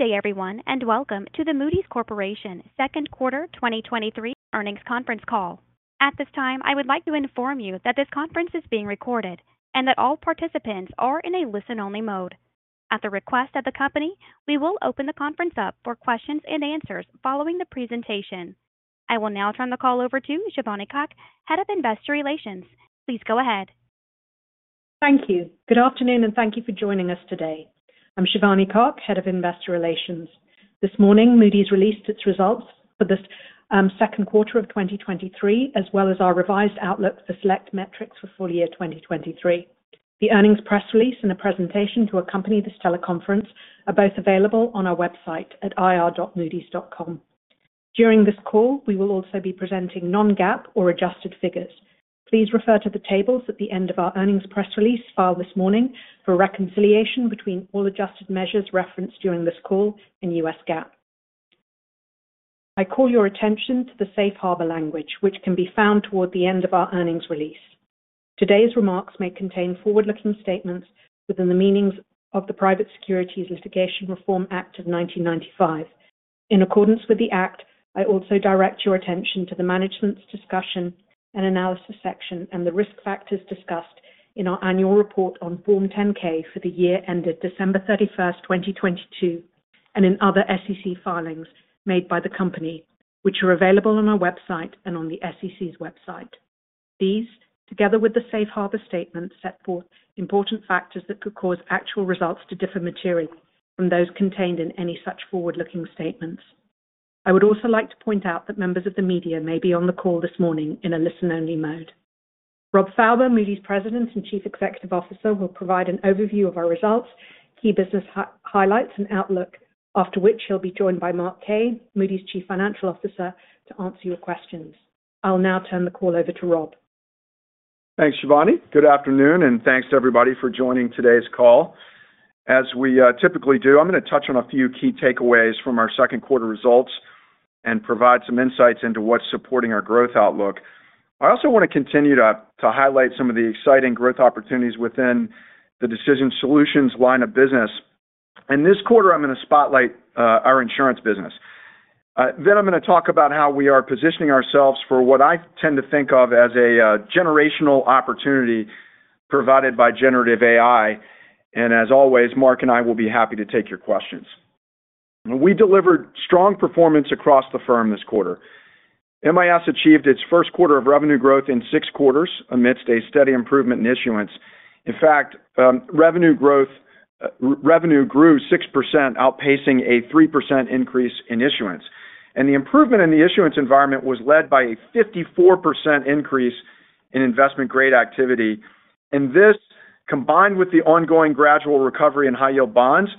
Good day, everyone, and welcome to the Moody's Corporation Second Quarter 2023 Earnings Conference Call. At this time, I would like to inform you that this conference is being recorded and that all participants are in a listen-only mode. At the request of the company, we will open the conference up for questions and answers following the presentation. I will now turn the call over to Shivani Kak, Head of Investor Relations. Please go ahead. Thank you. Good afternoon, and thank you for joining us today. I'm Shivani Kak, Head of Investor Relations. This morning, Moody's released its results for this second quarter of 2023, as well as our revised outlook for select metrics for full year 2023. The earnings press release and the presentation to accompany this teleconference are both available on our website at ir.moodys.com. During this call, we will also be presenting non-GAAP or adjusted figures. Please refer to the tables at the end of our earnings press release filed this morning for a reconciliation between all adjusted measures referenced during this call in US GAAP. I call your attention to the Safe Harbor language, which can be found toward the end of our earnings release. Today's remarks may contain forward-looking statements within the meanings of the Private Securities Litigation Reform Act of 1995. In accordance with the Act, I also direct your attention to the Management's Discussion and Analysis section and the risk factors discussed in our annual report on Form 10-K for the year ended December 31st, 2022, and in other SEC filings made by the Company, which are available on our website and on the SEC's website. These, together with the Safe Harbor statement, set forth important factors that could cause actual results to differ materially from those contained in any such forward-looking statements. I would also like to point out that members of the media may be on the call this morning in a listen-only mode. Rob Fauber, Moody's President and Chief Executive Officer, will provide an overview of our results, key business high-highlights and outlook, after which he'll be joined by Mark Kaye, Moody's Chief Financial Officer, to answer your questions. I'll now turn the call over to Rob. Thanks, Shivani. Good afternoon, and thanks to everybody for joining today's call. As we typically do, I'm going to touch on a few key takeaways from our second quarter results and provide some insights into what's supporting our growth outlook. I also want to continue to highlight some of the exciting growth opportunities within the Decision Solutions line of business. This quarter, I'm going to spotlight our insurance business. I'm going to talk about how we are positioning ourselves for what I tend to think of as a generational opportunity provided by Generative AI. As always, Mark and I will be happy to take your questions. We delivered strong performance across the firm this quarter. MIS achieved its first quarter of revenue growth in six quarters amidst a steady improvement in issuance. In fact, revenue growth, revenue grew 6%, outpacing a 3% increase in issuance. The improvement in the issuance environment was led by a 54% increase in investment grade activity, and this, combined with the ongoing gradual recovery in high yield bonds,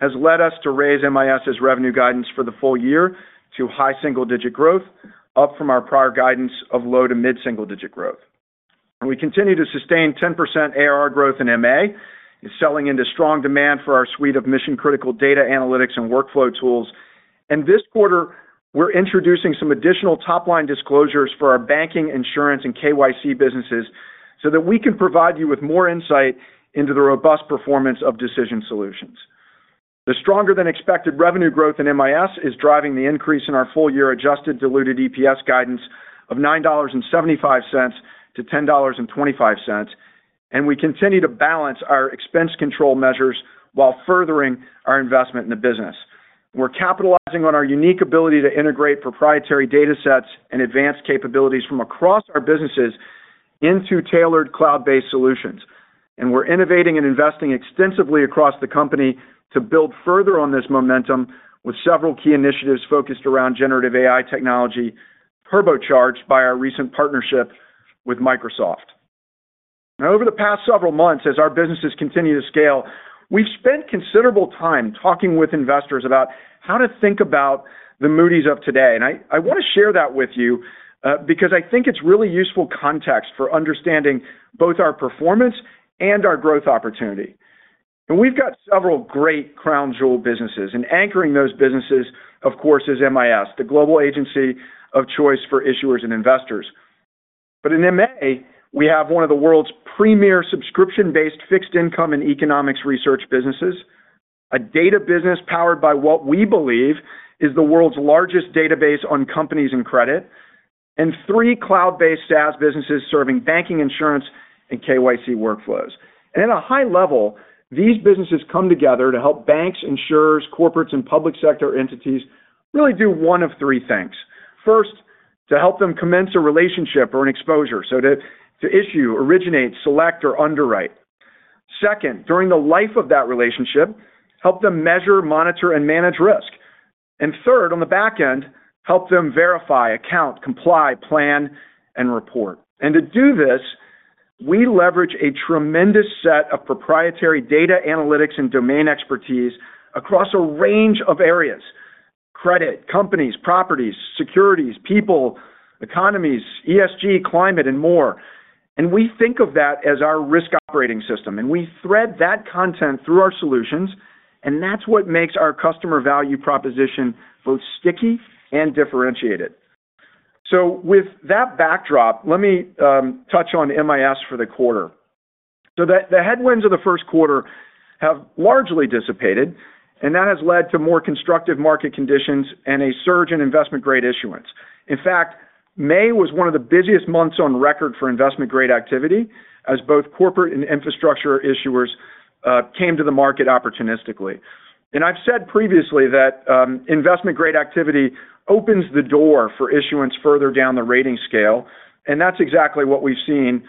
has led us to raise MIS's revenue guidance for the full year to high single-digit growth, up from our prior guidance of low to mid single-digit growth. We continue to sustain 10% AR growth in MA, and selling into strong demand for our suite of mission-critical data analytics and workflow tools. This quarter, we're introducing some additional top-line disclosures for our banking, insurance, and KYC businesses, so that we can provide you with more insight into the robust performance of Decision Solutions. The stronger than expected revenue growth in MIS is driving the increase in our full-year adjusted diluted EPS guidance of $9.75 to $10.25. We continue to balance our expense control measures while furthering our investment in the business. We're capitalizing on our unique ability to integrate proprietary datasets and advanced capabilities from across our businesses into tailored cloud-based solutions. We're innovating and investing extensively across the company to build further on this momentum, with several key initiatives focused around Generative AI technology, turbocharged by our recent partnership with Microsoft. Over the past several months, as our businesses continue to scale, we've spent considerable time talking with investors about how to think about the Moody's of today. I want to share that with you, because I think it's really useful context for understanding both our performance and our growth opportunity. We've got several great crown jewel businesses, and anchoring those businesses, of course, is MIS, the global agency of choice for issuers and investors. In MA, we have one of the world's premier subscription-based fixed income and economics research businesses, a data business powered by what we believe is the world's largest database on companies and credit, and three cloud-based SaaS businesses serving banking, insurance, and KYC workflows. At a high level, these businesses come together to help banks, insurers, corporates, and public sector entities really do one of three things. First, to help them commence a relationship or an exposure, so to issue, originate, select, or underwrite. Second, during the life of that relationship, help them measure, monitor, and manage risk. Third, on the back end, help them verify, account, comply, plan, and report. To do this, we leverage a tremendous set of proprietary data analytics and domain expertise across a range of areas: credit, companies, properties, securities, people, economies, ESG, climate, and more. We think of that as our risk operating system, and we thread that content through our solutions, and that's what makes our customer value proposition both sticky and differentiated. With that backdrop, let me touch on MIS for the quarter. The headwinds of the first quarter have largely dissipated, and that has led to more constructive market conditions and a surge in investment-grade issuance. In fact, May was one of the busiest months on record for investment-grade activity, as both corporate and infrastructure issuers came to the market opportunistically. I've said previously that investment-grade activity opens the door for issuance further down the rating scale, and that's exactly what we've seen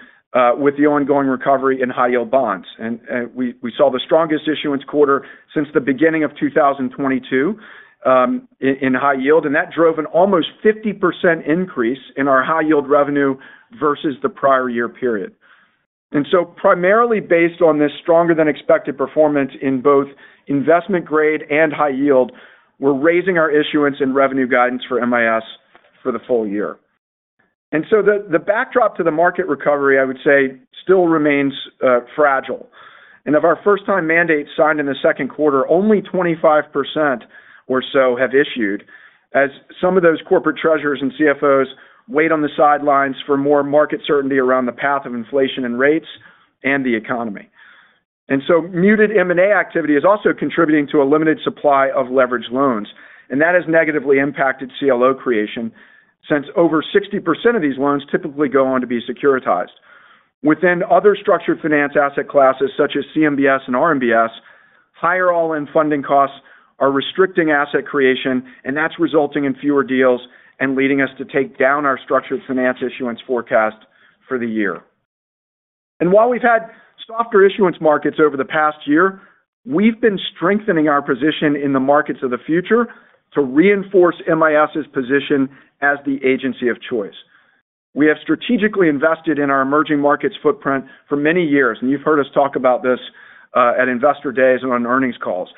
with the ongoing recovery in high yield bonds. We saw the strongest issuance quarter since the beginning of 2022 in high yield, and that drove an almost 50% increase in our high yield revenue versus the prior year period. Primarily based on this stronger than expected performance in both investment grade and high yield, we're raising our issuance and revenue guidance for MIS for the full year. The backdrop to the market recovery, I would say, still remains fragile. Of our first-time mandates signed in the second quarter, only 25% or so have issued, as some of those corporate treasurers and CFOs wait on the sidelines for more market certainty around the path of inflation and rates and the economy. Muted M&A activity is also contributing to a limited supply of leveraged loans, and that has negatively impacted CLO creation, since over 60% of these loans typically go on to be securitized. Within other structured finance asset classes, such as CMBS and RMBS, higher all-in funding costs are restricting asset creation, and that's resulting in fewer deals and leading us to take down our structured finance issuance forecast for the year. While we've had softer issuance markets over the past year, we've been strengthening our position in the markets of the future to reinforce MIS's position as the agency of choice. We have strategically invested in our emerging markets footprint for many years, you've heard us talk about this at Investor Days and on earnings calls.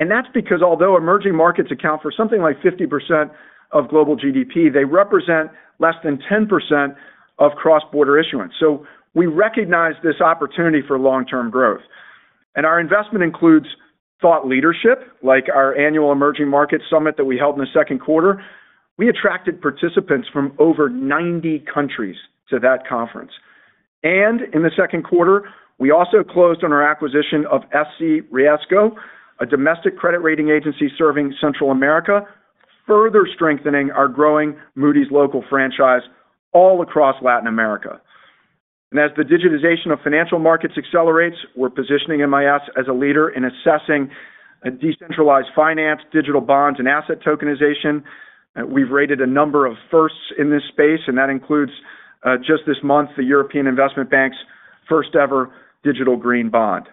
That's because although emerging markets account for something like 50% of global GDP, they represent less than 10% of cross-border issuance. We recognize this opportunity for long-term growth. Our investment includes thought leadership, like our annual Emerging Markets Summit that we held in the second quarter. We attracted participants from over 90 countries to that conference. In the second quarter, we also closed on our acquisition of SCRiesgo, a domestic credit rating agency serving Central America, further strengthening our growing Moody's Local franchise all across Latin America. As the digitization of financial markets accelerates, we're positioning MIS as a leader in assessing a decentralized finance, digital bonds, and asset tokenization. We've rated a number of firsts in this space, just this month, the European Investment Bank's first-ever digital green bond.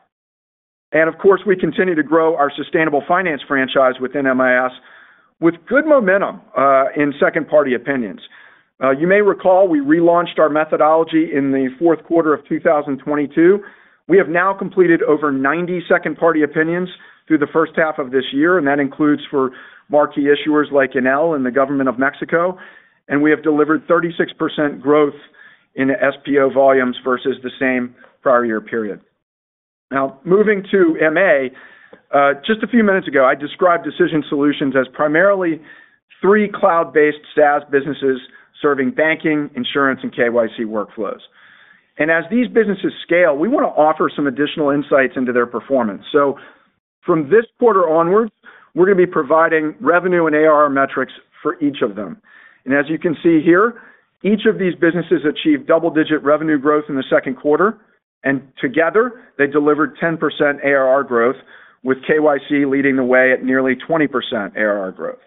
We continue to grow our sustainable finance franchise within MIS with good momentum in second-party opinions. You may recall we relaunched our methodology in the fourth quarter of 2022. We have now completed over 90 second-party opinions through the first half of this year, and that includes for marquee issuers like Enel and the government of Mexico, and we have delivered 36% growth in SPO volumes versus the same prior year period. Moving to MA. Just a few minutes ago, I described Decision Solutions as primarily three cloud-based SaaS businesses serving banking, insurance, and KYC workflows. As these businesses scale, we want to offer some additional insights into their performance. From this quarter onwards, we're going to be providing revenue and ARR metrics for each of them. As you can see here, each of these businesses achieved double-digit revenue growth in the second quarter, and together, they delivered 10% ARR growth, with KYC leading the way at nearly 20% ARR growth.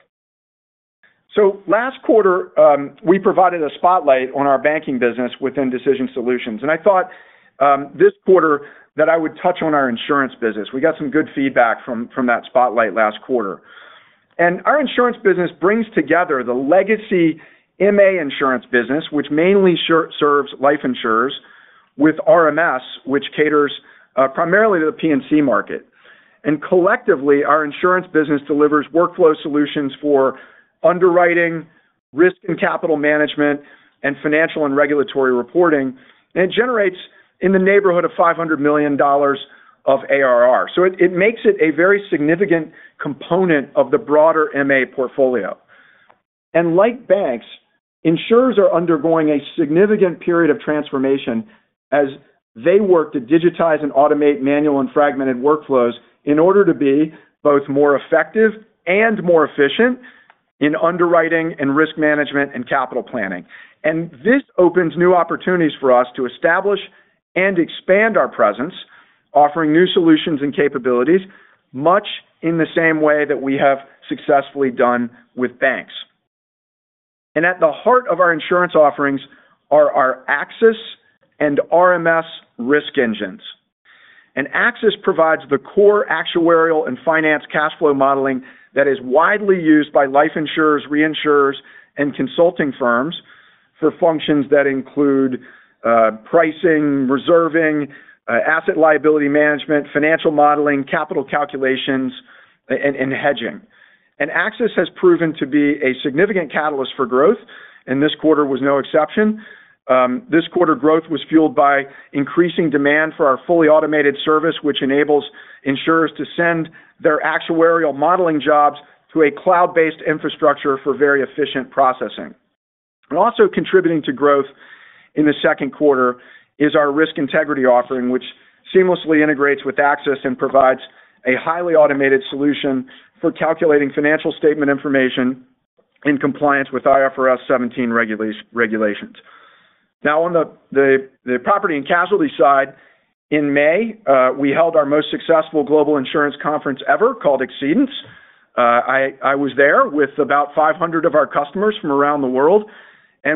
Last quarter, we provided a spotlight on our banking business within Decision Solutions, and I thought this quarter, that I would touch on our insurance business. We got some good feedback from that spotlight last quarter. Our insurance business brings together the legacy MA insurance business, which mainly serves life insurers, with RMS, which caters primarily to the P&C market. Collectively, our insurance business delivers workflow solutions for underwriting, risk and capital management, and financial and regulatory reporting. It generates in the neighborhood of $500 million of ARR. It makes it a very significant component of the broader MA portfolio. Like banks, insurers are undergoing a significant period of transformation as they work to digitize and automate manual and fragmented workflows in order to be both more effective and more efficient in underwriting and risk management and capital planning. This opens new opportunities for us to establish and expand our presence, offering new solutions and capabilities, much in the same way that we have successfully done with banks. At the heart of our insurance offerings are our AXIS and RMS risk engines. AXIS provides the core actuarial and finance cash flow modeling that is widely used by life insurers, reinsurers, and consulting firms for functions that include pricing, reserving, asset liability management, financial modeling, capital calculations, and hedging. AXIS has proven to be a significant catalyst for growth, and this quarter was no exception. This quarter growth was fueled by increasing demand for our fully automated service, which enables insurers to send their actuarial modeling jobs to a cloud-based infrastructure for very efficient processing. Also contributing to growth in the second quarter is our RiskIntegrity offering, which seamlessly integrates with AXIS and provides a highly automated solution for calculating financial statement information in compliance with IFRS 17 regulations. On the property and casualty side, in May, we held our most successful global insurance conference ever, called Exceedance. I was there with about 500 of our customers from around the world,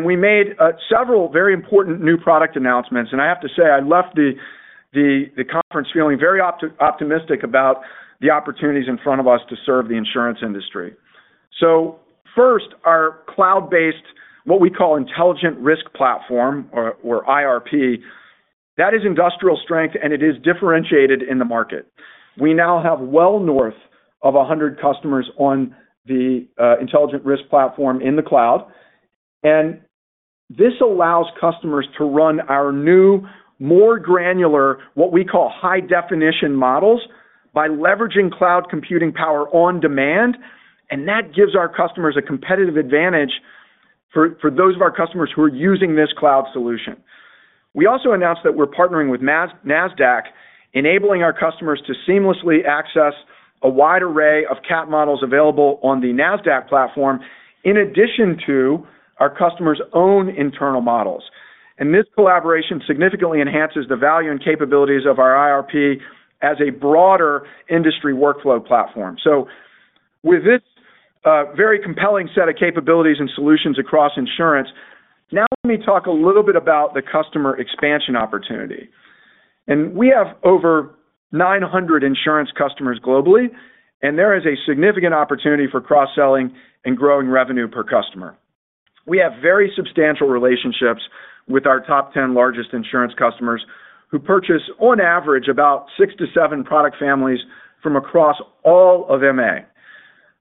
we made several very important new product announcements. I have to say, I left the conference feeling very optimistic about the opportunities in front of us to serve the insurance industry. First, our cloud-based, what we call Intelligent Risk Platform or IRP, that is industrial strength, and it is differentiated in the market. We now have well north of 100 customers on the Intelligent Risk Platform in the cloud. This allows customers to run our new, more granular, what we call high-definition models, by leveraging cloud computing power on demand, and that gives our customers a competitive advantage for those of our customers who are using this cloud solution. We also announced that we're partnering with NASDAQ, enabling our customers to seamlessly access a wide array of cat models available on the NASDAQ platform, in addition to our customers' own internal models. This collaboration significantly enhances the value and capabilities of our IRP as a broader industry workflow platform. With this very compelling set of capabilities and solutions across insurance, now let me talk a little bit about the customer expansion opportunity. We have over 900 insurance customers globally, and there is a significant opportunity for cross-selling and growing revenue per customer. We have very substantial relationships with our top 10 largest insurance customers, who purchase, on average, about six to seven product families from across all of MA.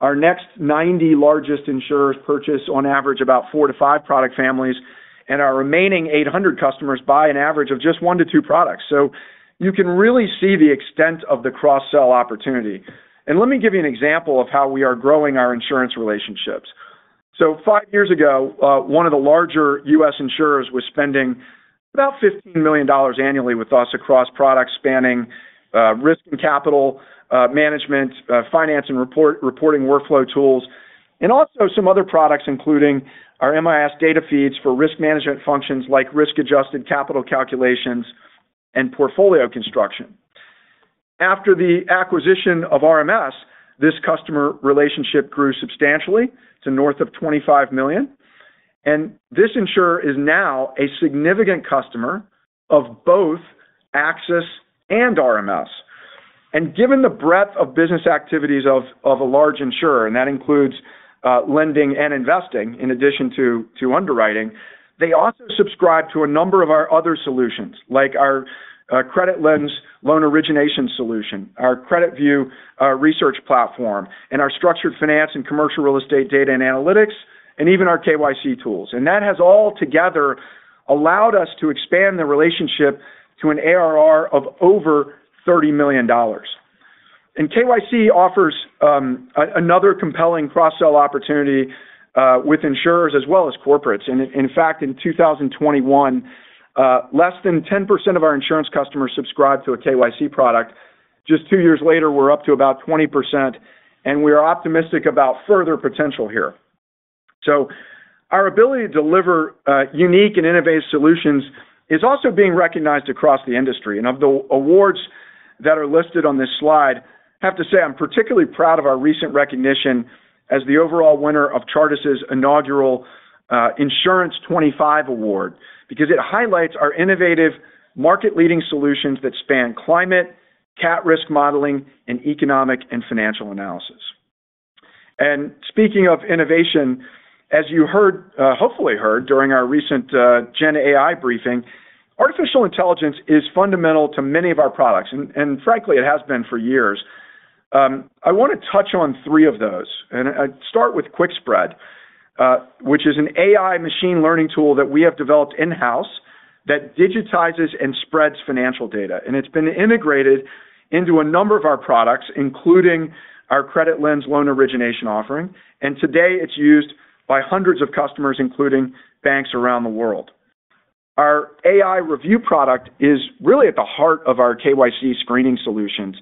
Our next 90 largest insurers purchase, on average, about four to five product families, and our remaining 800 customers buy an average of just one to two products. You can really see the extent of the cross-sell opportunity. Let me give you an example of how we are growing our insurance relationships. Five years ago, one of the larger U.S. insurers was spending about $15 million annually with us across products spanning risk and capital management, finance and reporting workflow tools, and also some other products, including our MIS data feeds for risk management functions, like risk-adjusted capital calculations and portfolio construction. After the acquisition of RMS, this customer relationship grew substantially to north of $25 million, and this insurer is now a significant customer of both AXIS and RMS. Given the breadth of business activities of a large insurer, that includes lending and investing, in addition to underwriting, they also subscribe to a number of our other solutions, like our CreditLens loan origination solution, our CreditView research platform, and our structured finance and commercial real estate data and analytics, and even our KYC tools. That has all together allowed us to expand the relationship to an ARR of over $30 million. KYC offers another compelling cross-sell opportunity with insurers as well as corporates. In fact, in 2021, less than 10% of our insurance customers subscribed to a KYC product. Just two years later, we're up to about 20%, and we are optimistic about further potential here. Our ability to deliver unique and innovative solutions is also being recognized across the industry. Of the awards that are listed on this slide, I have to say I'm particularly proud of our recent recognition as the overall winner of Chartis' inaugural Insurance Analytics25 Award, because it highlights our innovative market-leading solutions that span climate, cat risk modeling, and economic and financial analysis. Speaking of innovation, as you heard, hopefully heard during our recent GenAI briefing, artificial intelligence is fundamental to many of our products, and frankly, it has been for years. I want to touch on three of those, and I'd start with QUIQspread, which is an AI machine learning tool that we have developed in-house that digitizes and spreads financial data. It's been integrated into a number of our products, including our CreditLens loan origination offering. Today, it's used by hundreds of customers, including banks around the world. Our AI Review product is really at the heart of our KYC screening solutions.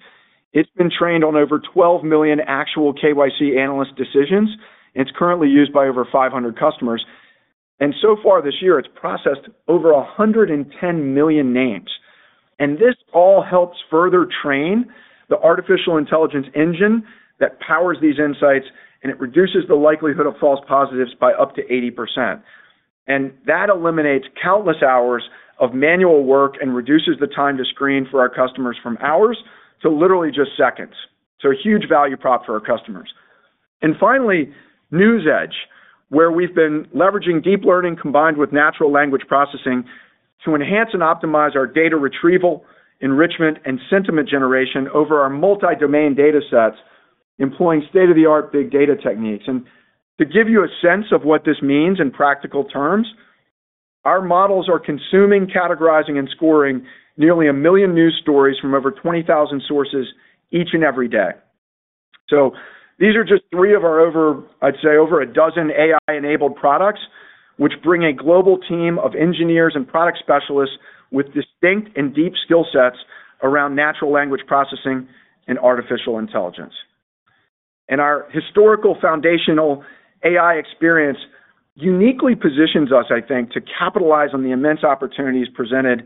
It's been trained on over 12 million actual KYC analyst decisions. It's currently used by over 500 customers, and so far this year, it's processed over 110 million names. This all helps further train the artificial intelligence engine that powers these insights, and it reduces the likelihood of false positives by up to 80%. That eliminates countless hours of manual work and reduces the time to screen for our customers from hours to literally just seconds. A huge value prop for our customers. Finally, NewsEdge, where we've been leveraging deep learning combined with natural language processing, to enhance and optimize our data retrieval, enrichment, and sentiment generation over our multi-domain datasets, employing state-of-the-art big data techniques. To give you a sense of what this means in practical terms, our models are consuming, categorizing, and scoring nearly 1 million news stories from over 20,000 sources each and every day. These are just three of our over, I'd say, over a dozen AI-enabled products, which bring a global team of engineers and product specialists with distinct and deep skill sets around natural language processing and artificial intelligence. Our historical foundational AI experience uniquely positions us, I think, to capitalize on the immense opportunities presented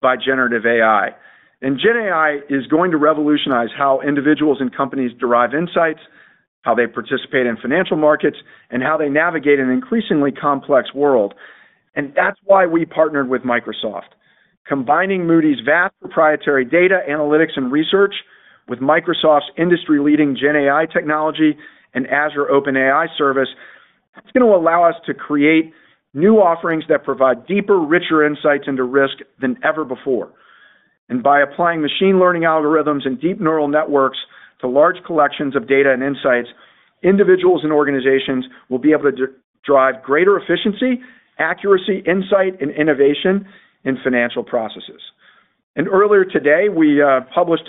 by Generative AI. GenAI is going to revolutionize how individuals and companies derive insights, how they participate in financial markets, and how they navigate an increasingly complex world. That's why we partnered with Microsoft. Combining Moody's vast proprietary data, analytics, and research with Microsoft's industry-leading GenAI technology and Azure OpenAI service, it's going to allow us to create new offerings that provide deeper, richer insights into risk than ever before. By applying machine learning algorithms and deep neural networks to large collections of data and insights, individuals and organizations will be able to drive greater efficiency, accuracy, insight, and innovation in financial processes. Earlier today, we published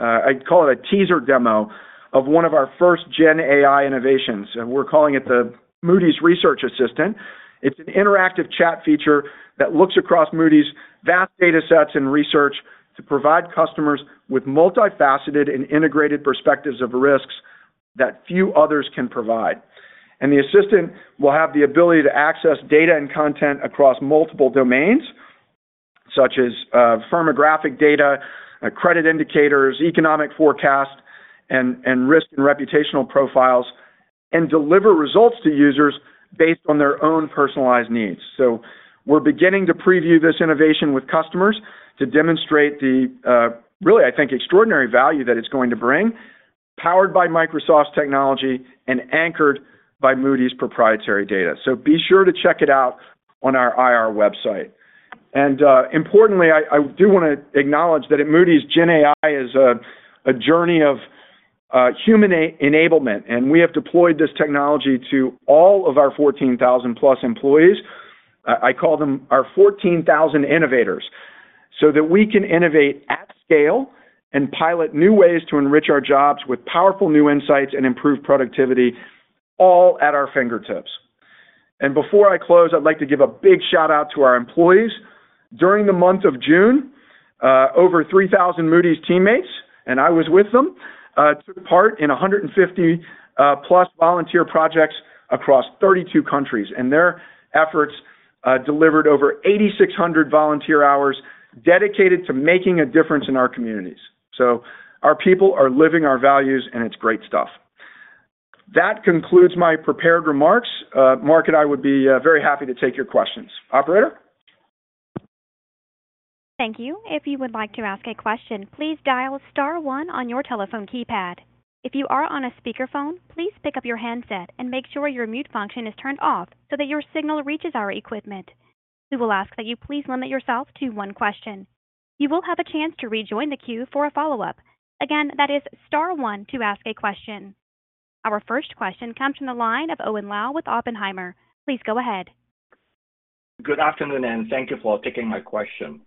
a, I'd call it a teaser demo of one of our first GenAI innovations, and we're calling it the Moody's Research Assistant. It's an interactive chat feature that looks across Moody's vast datasets and research to provide customers with multifaceted and integrated perspectives of risks that few others can provide. The assistant will have the ability to access data and content across multiple domains, such as firmographic data, credit indicators, economic forecast, and risk and reputational profiles, and deliver results to users based on their own personalized needs. We're beginning to preview this innovation with customers to demonstrate the really, I think, extraordinary value that it's going to bring, powered by Microsoft's technology and anchored by Moody's proprietary data. Be sure to check it out on our IR website. Importantly, I do want to acknowledge that at Moody's, GenAI is a journey of human enablement, and we have deployed this technology to all of our 14,000-plus employees. I call them our 14,000 innovators, so that we can innovate at scale and pilot new ways to enrich our jobs with powerful new insights and improve productivity, all at our fingertips. Before I close, I'd like to give a big shout-out to our employees. During the month of June, over 3,000 Moody's teammates, and I was with them, took part in 150 plus volunteer projects across 32 countries. Their efforts delivered over 8,600 volunteer hours dedicated to making a difference in our communities. Our people are living our values, and it's great stuff. That concludes my prepared remarks. Mark and I would be very happy to take your questions. Operator? Thank you. If you would like to ask a question, please dial star one on your telephone keypad. If you are on a speakerphone, please pick up your handset and make sure your mute function is turned off so that your signal reaches our equipment. We will ask that you please limit yourself to one question. You will have a chance to rejoin the queue for a follow-up. Again, that is star one to ask a question. Our first question comes from the line of Owen Lau with Oppenheimer. Please go ahead. Good afternoon, and thank you for taking my question.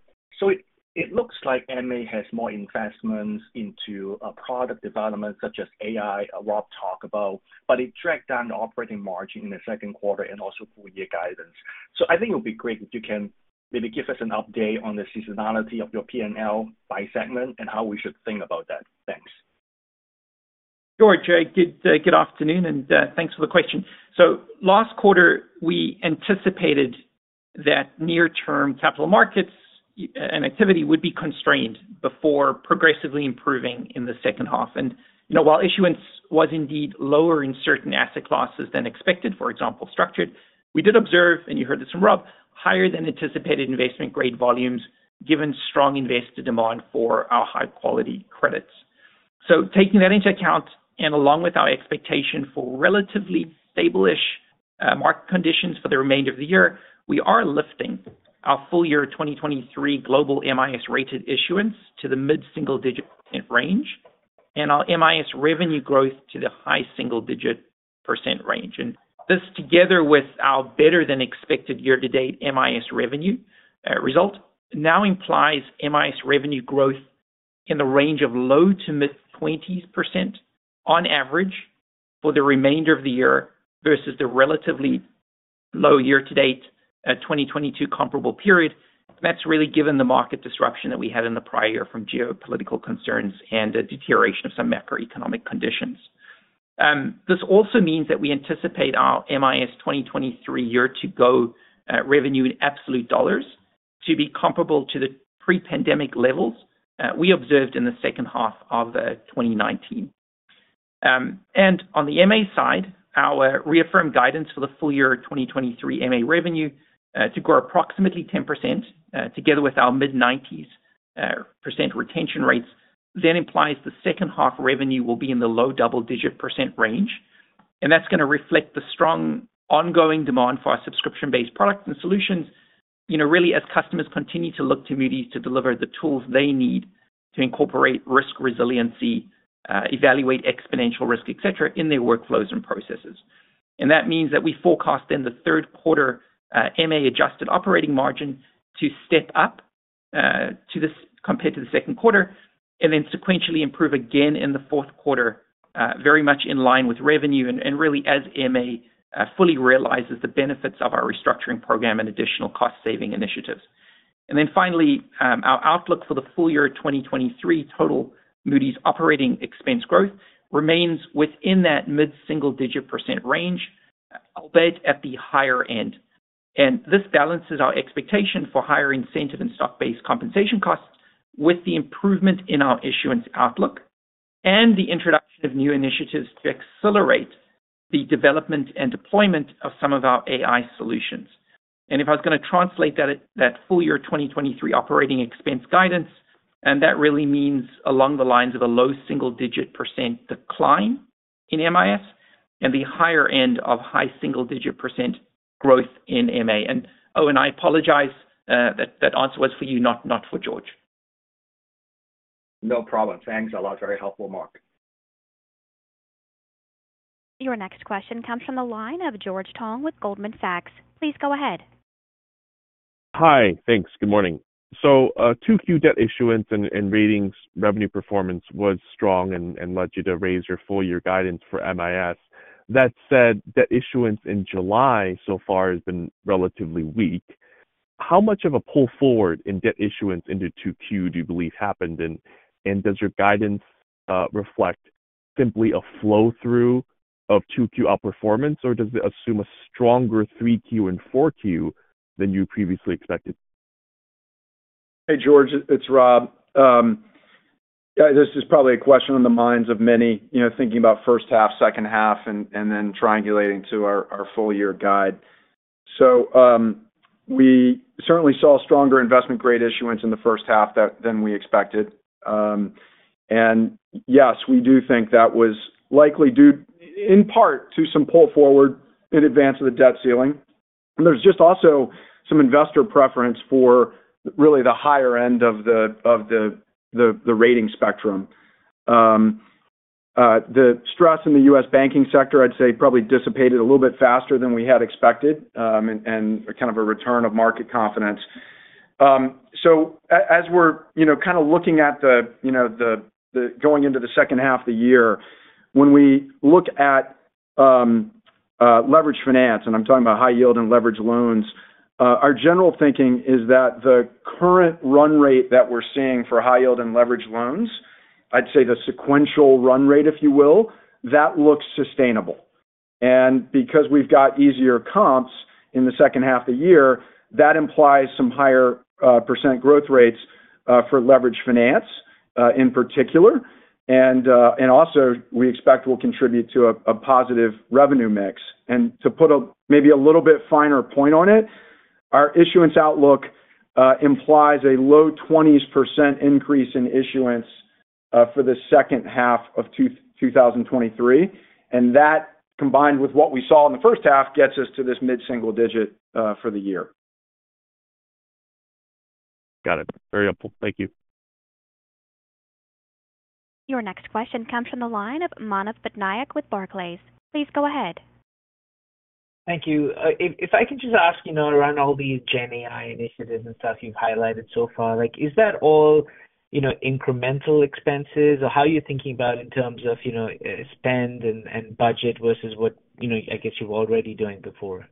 It looks like MA has more investments into a product development, such as AI, Rob talk about, but it dragged down the operating margin in the second quarter and also full year guidance. I think it would be great if you can maybe give us an update on the seasonality of your P&L by segment and how we should think about that. Thanks. Sure, Jay. Good afternoon, thanks for the question. Last quarter, we anticipated that near-term capital markets and activity would be constrained before progressively improving in the second half. While issuance was indeed lower in certain asset classes than expected, for example, structured, we did observe, and you heard this from Rob, higher than anticipated investment grade volumes, given strong investor demand for our high-quality credits. Taking that into account, and along with our expectation for relatively stable-ish market conditions for the remainder of the year, we are lifting our full year 2023 global MIS rated issuance to the mid-single-digit percentage range and our MIS revenue growth to the high single-digit percent range. This, together with our better-than-expected year-to-date MIS revenue result, now implies MIS revenue growth in the range of low to mid 20% on average for the remainder of the year versus the relatively low year-to-date 2022 comparable period. That's really given the market disruption that we had in the prior year from geopolitical concerns and a deterioration of some macroeconomic conditions. This also means that we anticipate our MIS 2023 year to go revenue in absolute dollars to be comparable to the pre-pandemic levels we observed in the second half of 2019. On the MA side, our reaffirmed guidance for the full year 2023 MA revenue to grow approximately 10%, together with our mid-90s percent retention rates, then implies the second half revenue will be in the low double-digit percent range. That's going to reflect the strong ongoing demand for our subscription-based products and solutions. You know, really, as customers continue to look to Moody's to deliver the tools they need to incorporate risk resiliency, evaluate exponential risk, etc., in their workflows and processes. That means that we forecast in the third quarter, MA adjusted operating margin to step up to this compared to the second quarter, and then sequentially improve again in the fourth quarter, very much in line with revenue and really as MA fully realizes the benefits of our restructuring program and additional cost-saving initiatives. Finally, our outlook for the full year 2023 total Moody's operating expense growth remains within that mid-single-digit percent range, albeit at the higher end. This balances our expectation for higher incentive and stock-based compensation costs with the improvement in our issuance outlook and the introduction of new initiatives to accelerate the development and deployment of some of our AI solutions. If I was going to translate that at that full year 2023 operating expense guidance, and that really means along the lines of a low single-digit percentr decline in MIS and the higher end of high single-digit percent growth in MA. Oh, and I apologize, that answer was for you, not for George. No problem. Thanks a lot. Very helpful, Mark. Your next question comes from the line of George Tong with Goldman Sachs. Please go ahead. Hi. Thanks. Good morning. 2Q debt issuance and ratings revenue performance was strong and led you to raise your full-year guidance for MIS. That said, the issuance in July so far has been relatively weak. How much of a pull forward in debt issuance into 2Q do you believe happened, and does your guidance reflect simply a flow-through of 2Q outperformance, or does it assume a stronger 3Q and 4Q than you previously expected? Hey, George, it's Rob. Yeah, this is probably a question on the minds of many, you know, thinking about first half, second half, and then triangulating to our full year guide. We certainly saw stronger investment-grade issuance in the first half than we expected. Yes, we do think that was likely due in part to some pull forward in advance of the debt ceiling. There's just also some investor preference for really the higher end of the rating spectrum. The stress in the U.S. banking sector, I'd say, probably dissipated a little bit faster than we had expected, and kind of a return of market confidence. So as we're, you know, kind of looking at the, you know, the going into the second half of the year, when we look at leverage finance, and I'm talking about high yield and leverage loans, our general thinking is that the current run rate that we're seeing for high yield and leverage loans, I'd say the sequential run rate, if you will, that looks sustainable. Because we've got easier comps in the second half of the year, that implies some higher percent growth rates for leverage finance in particular, also we expect will contribute to a positive revenue mix. To put a maybe a little bit finer point on it, our issuance outlook implies a low 20s% increase in issuance for the second half of 2023, and that, combined with what we saw in the first half, gets us to this mid-single-digit for the year. Got it. Very helpful. Thank you. Your next question comes from the line of Manav Patnaik with Barclays. Please go ahead. Thank you. if I could just ask, you know, around all these GenAI initiatives and stuff you've highlighted so far, like, is that all, you know, incremental expenses? How are you thinking about in terms of, you know, spend and budget versus what, you know, I guess you were already doing before?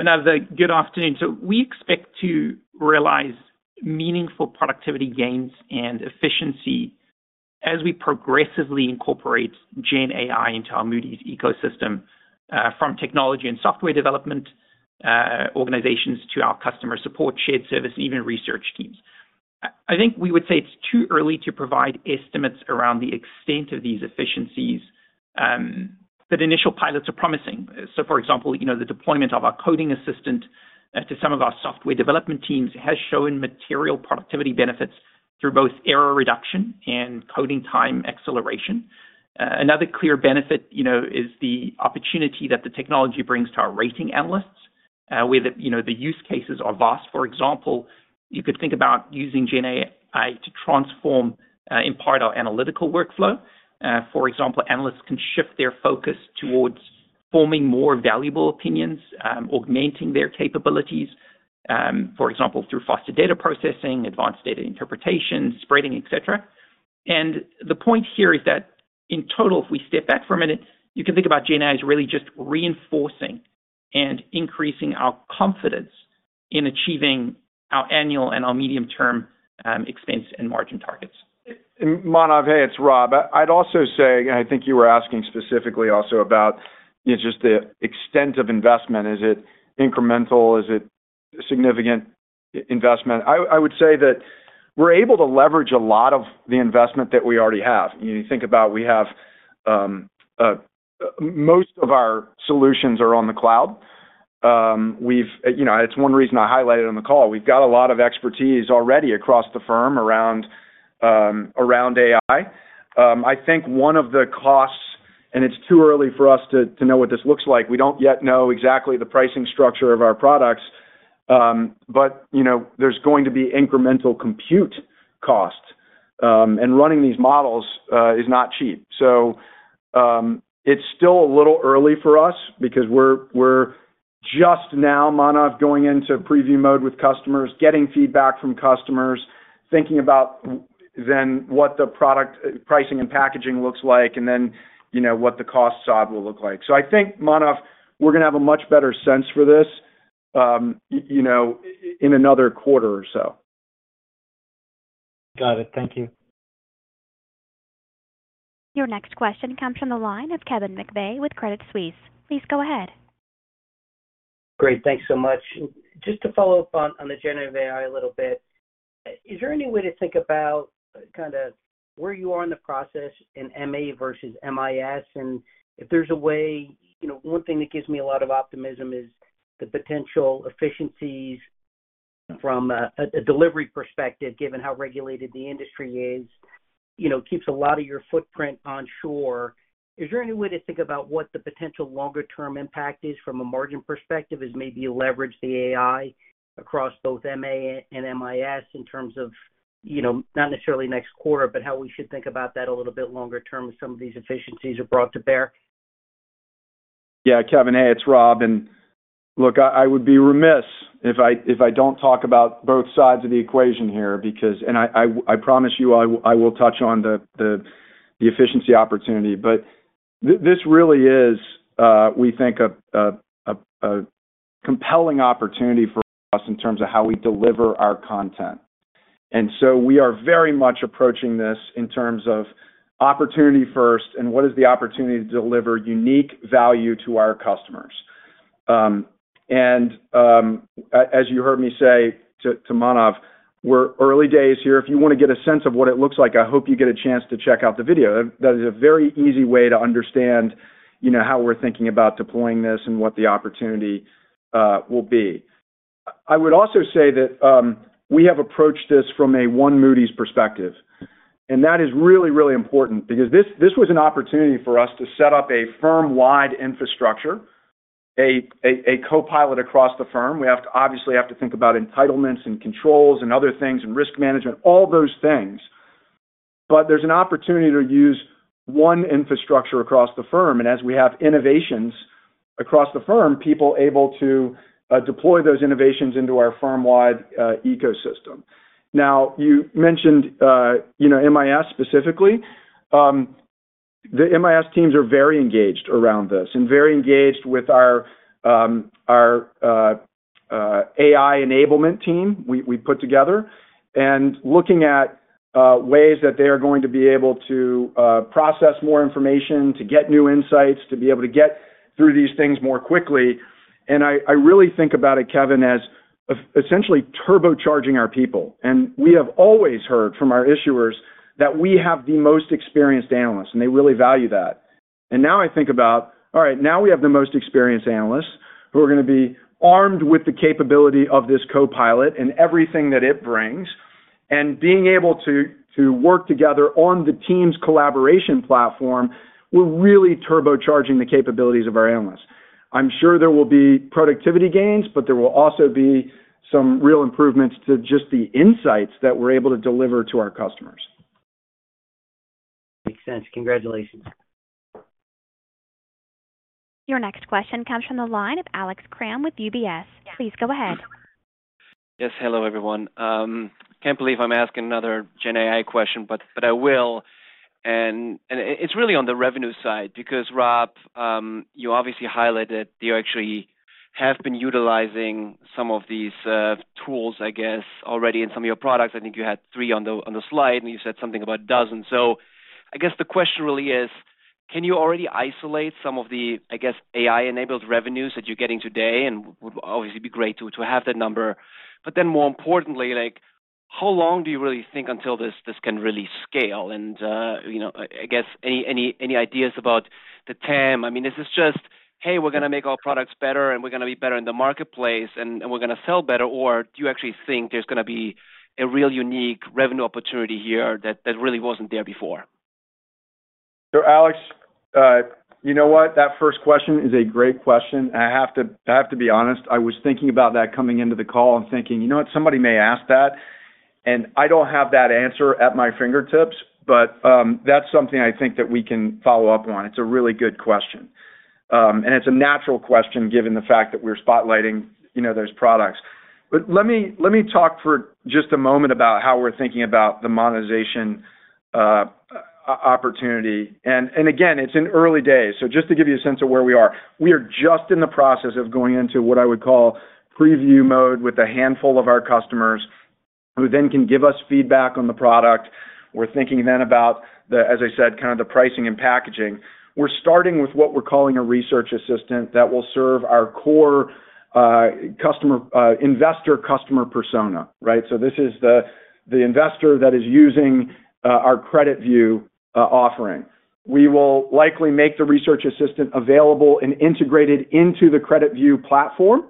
Manav, good afternoon. We expect to realize meaningful productivity gains and efficiency as we progressively incorporate GenAI into our Moody's ecosystem, from technology and software development organizations to our customer support, shared service, and even research teams. I think we would say it's too early to provide estimates around the extent of these efficiencies, but initial pilots are promising. For example, you know, the deployment of our coding assistant to some of our software development teams has shown material productivity benefits through both error reduction and coding time acceleration. Another clear benefit, you know, is the opportunity that the technology brings to our rating analysts, where, you know, the use cases are vast. For example, you could think about using GenAI to transform, in part, our analytical workflow. For example, analysts can shift their focus towards forming more valuable opinions, augmenting their capabilities, for example, through faster data processing, advanced data interpretation, spreading, etc. The point here is that, in total, if we step back for a minute, you can think about GenAI as really just reinforcing and increasing our confidence in achieving our annual and our medium-term expense and margin targets. Manav, hey, it's Rob. I'd also say, I think you were asking specifically also about just the extent of investment. Is it incremental? Is it significant investment? I would say that we're able to leverage a lot of the investment that we already have. You think about we have Most of our solutions are on the cloud. You know, it's one reason I highlighted on the call. We've got a lot of expertise already across the firm around AI. I think one of the costs, and it's too early for us to know what this looks like, we don't yet know exactly the pricing structure of our products, but, you know, there's going to be incremental compute costs, and running these models is not cheap. It's still a little early for us because we're just now, Manav, going into preview mode with customers, getting feedback from customers, thinking about then what the product, pricing and packaging looks like, and then, you know, what the cost side will look like. I think, Manav, we're going to have a much better sense for this, you know, in another quarter or so. Got it. Thank you. Your next question comes from the line of Kevin McVeigh with Credit Suisse. Please go ahead. Great, thanks so much. Just to follow up on the Generative AI a little bit, is there any way to think about kind of where you are in the process in MA versus MIS, if there's a way? You know, one thing that gives me a lot of optimism is the potential efficiencies from a delivery perspective, given how regulated the industry is, you know, keeps a lot of your footprint onshore. Is there any way to think about what the potential longer-term impact is from a margin perspective, as maybe you leverage the AI across both MA and MIS in terms of, you know, not necessarily next quarter, but how we should think about that a little bit longer term as some of these efficiencies are brought to bear? Yeah, Kevin, hey, it's Rob. Look, I would be remiss if I don't talk about both sides of the equation here, because I promise you, I will touch on the efficiency opportunity. This really is, we think, a compelling opportunity for us in terms of how we deliver our content. We are very much approaching this in terms of opportunity first, and what is the opportunity to deliver unique value to our customers? As you heard me say to Manav, we're early days here. If you want to get a sense of what it looks like, I hope you get a chance to check out the video. That is a very easy way to understand, you know, how we're thinking about deploying this and what the opportunity will be. I would also say that we have approached this from a one Moody's perspective, and that is really, really important because this was an opportunity for us to set up a firm-wide infrastructure, a co-pilot across the firm. obviously, have to think about entitlements and controls and other things, and risk management, all those things. There's an opportunity to use one infrastructure across the firm, and as we have innovations across the firm, people are able to deploy those innovations into our firm-wide ecosystem. Now, you mentioned, you know, MIS specifically. The MIS teams are very engaged around this and very engaged with our AI enablement team we put together, looking at ways that they are going to be able to process more information, to get new insights, to be able to get through these things more quickly. I really think about it, Kevin, as essentially turbocharging our people. We have always heard from our issuers that we have the most experienced analysts, and they really value that. Now I think about, all right, now we have the most experienced analysts who are going to be armed with the capability of this co-pilot and everything that it brings, and being able to work together on the teams collaboration platform, we're really turbocharging the capabilities of our analysts. I'm sure there will be productivity gains, but there will also be some real improvements to just the insights that we're able to deliver to our customers. Makes sense. Congratulations. Your next question comes from the line of Alex Kramm with UBS. Please go ahead. Yes. Hello, everyone. Can't believe I'm asking another GenAI question, but I will. It's really on the revenue side, because, Rob, you obviously highlighted you actually have been utilizing some of these tools, I guess, already in some of your products. I think you had three on the slide, and you said something about a dozen. I guess the question really is: Can you already isolate some of the, I guess, AI-enabled revenues that you're getting today? Would obviously be great to have that number, but then more importantly, like, how long do you really think until this can really scale? I guess any ideas about the TAM? I mean, is this just, "Hey, we're going to make our products better, and we're going to be better in the marketplace, and we're going to sell better," or do you actually think there's going to be a real unique revenue opportunity here that really wasn't there before? Alex, you know what? That first question is a great question. I have to be honest, I was thinking about that coming into the call and thinking: You know what? Somebody may ask that. I don't have that answer at my fingertips, but that's something I think that we can follow up on. It's a really good question. It's a natural question, given the fact that we're spotlighting, you know, those products. Let me talk for just a moment about how we're thinking about the monetization opportunity. Again, it's in early days. Just to give you a sense of where we are, we are just in the process of going into what I would call preview mode with a handful of our customers, who then can give us feedback on the product. We're thinking about the, as I said, kind of the pricing and packaging. We're starting with what we're calling a Research Assistant that will serve our customer, investor-customer persona, right? This is the investor that is using our CreditView offering. We will likely make the Research Assistant available and integrated into the CreditView platform.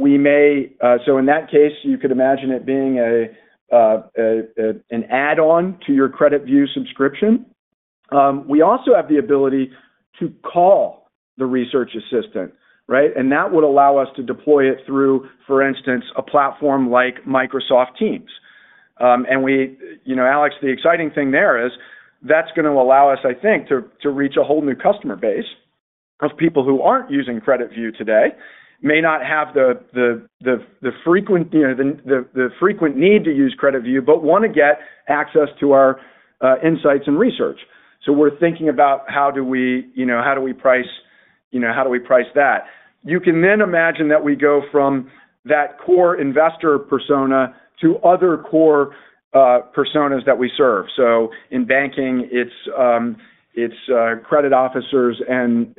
We may. In that case, you could imagine it being an add-on to your CreditView subscription. We also have the ability to call the Research Assistant, right? That would allow us to deploy it through, for instance, a platform like Microsoft Teams. And we, you know, Alex, the exciting thing there is, that's going to allow us, I think, to reach a whole new customer base of people who aren't using CreditView today, may not have the frequent, you know, the frequent need to use CreditView, but wanna get access to our insights and research. We're thinking about how do we, you know, how do we price, you know, how do we price that? You can then imagine that we go from that core investor persona to other core personas that we serve. In banking, it's credit officers and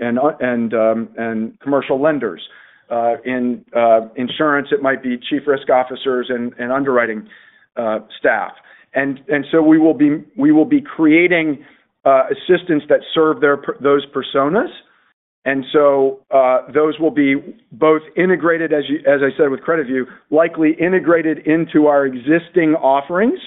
commercial lenders. In insurance, it might be chief risk officers and underwriting staff. We will be creating assistants that serve their those personas. Those will be both integrated, as I said, with CreditView, likely integrated into our existing offerings.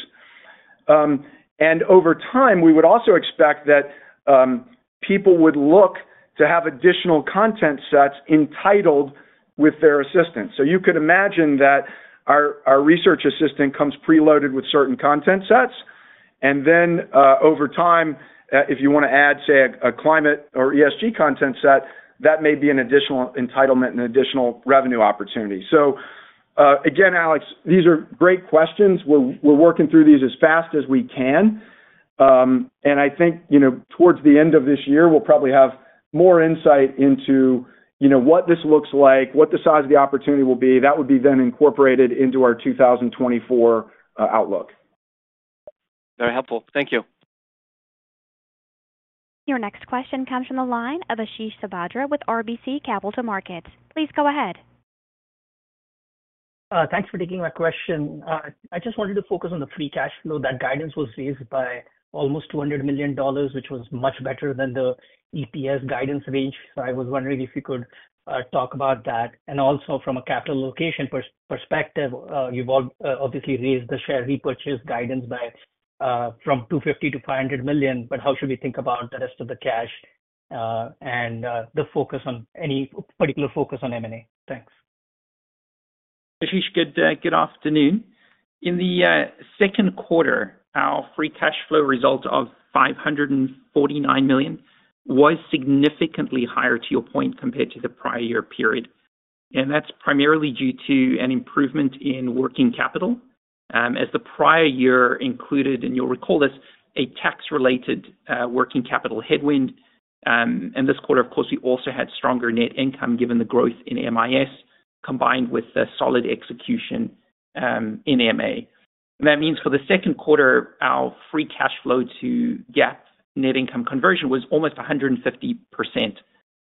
Over time, we would also expect that people would look to have additional content sets entitled with their assistants. You could imagine that our research assistant comes preloaded with certain content sets, and then, over time, if you want to add, say, a climate or ESG content set, that may be an additional entitlement and additional revenue opportunity. Again, Alex, these are great questions. We're working through these as fast as we can. I think, you know, towards the end of this year, we'll probably have more insight into, you know, what this looks like, what the size of the opportunity will be. That would be then incorporated into our 2024 outlook. Very helpful. Thank you. Your next question comes from the line of Ashish Sabadra with RBC Capital Markets. Please go ahead. Thanks for taking my question. I just wanted to focus on the free cash flow. That guidance was raised by almost $200 million, which was much better than the EPS guidance range. I was wondering if you could talk about that. Also from a capital allocation perspective, you've obviously raised the share repurchase guidance by from $250 million to $500 million, but how should we think about the rest of the cash and the focus on any particular focus on M&A? Thanks. Ashish, good day. Good afternoon. In the second quarter, our free cash flow result of $549 million was significantly higher, to your point, compared to the prior year period. That's primarily due to an improvement in working capital. As the prior year included, and you'll recall this, a tax-related working capital headwind. This quarter, of course, we also had stronger net income given the growth in MIS, combined with the solid execution in MA. That means for the second quarter, our free cash flow to GAAP net income conversion was almost 150%,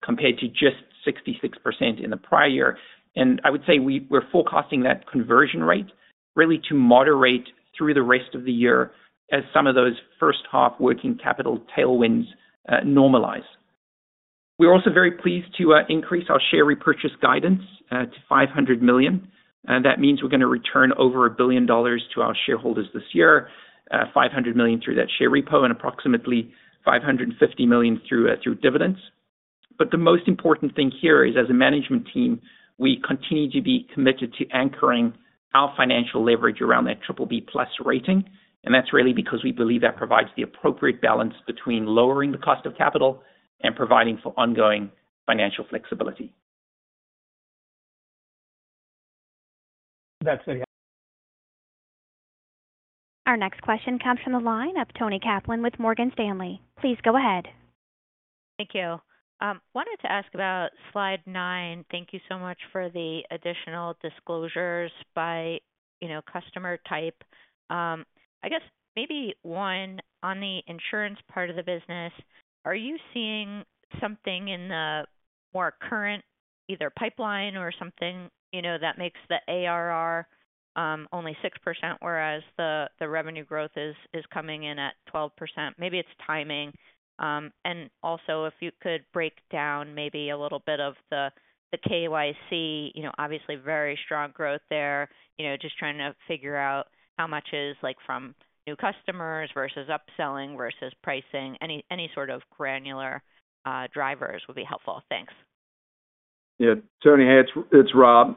compared to just 66% in the prior year. I would say we're forecasting that conversion rate really to moderate through the rest of the year as some of those first half working capital tailwinds normalize. We're also very pleased to increase our share repurchase guidance to $500 million. That means we're going to return over $1 billion to our shareholders this year, $500 million through that share repo and approximately $550 million through dividends. The most important thing here is, as a management team, we continue to be committed to anchoring our financial leverage around that BBB+ rating. That's really because we believe that provides the appropriate balance between lowering the cost of capital and providing for ongoing financial flexibility. That's it, yeah. Our next question comes from the line of Toni Kaplan with Morgan Stanley. Please go ahead. Thank you. Wanted to ask about slide 9. Thank you so much for the additional disclosures by, you know, customer type. I guess maybe one, on the insurance part of the business, are you seeing something in the more current, either pipeline or something, you know, that makes the ARR only 6%, whereas the revenue growth is coming in at 12%? Maybe it's timing. Also, if you could break down maybe a little bit of the KYC, you know, obviously very strong growth there. You know, just trying to figure out how much is like, from new customers versus upselling versus pricing. Any sort of granular drivers would be helpful. Thanks. Yeah. Toni, hey, it's Rob.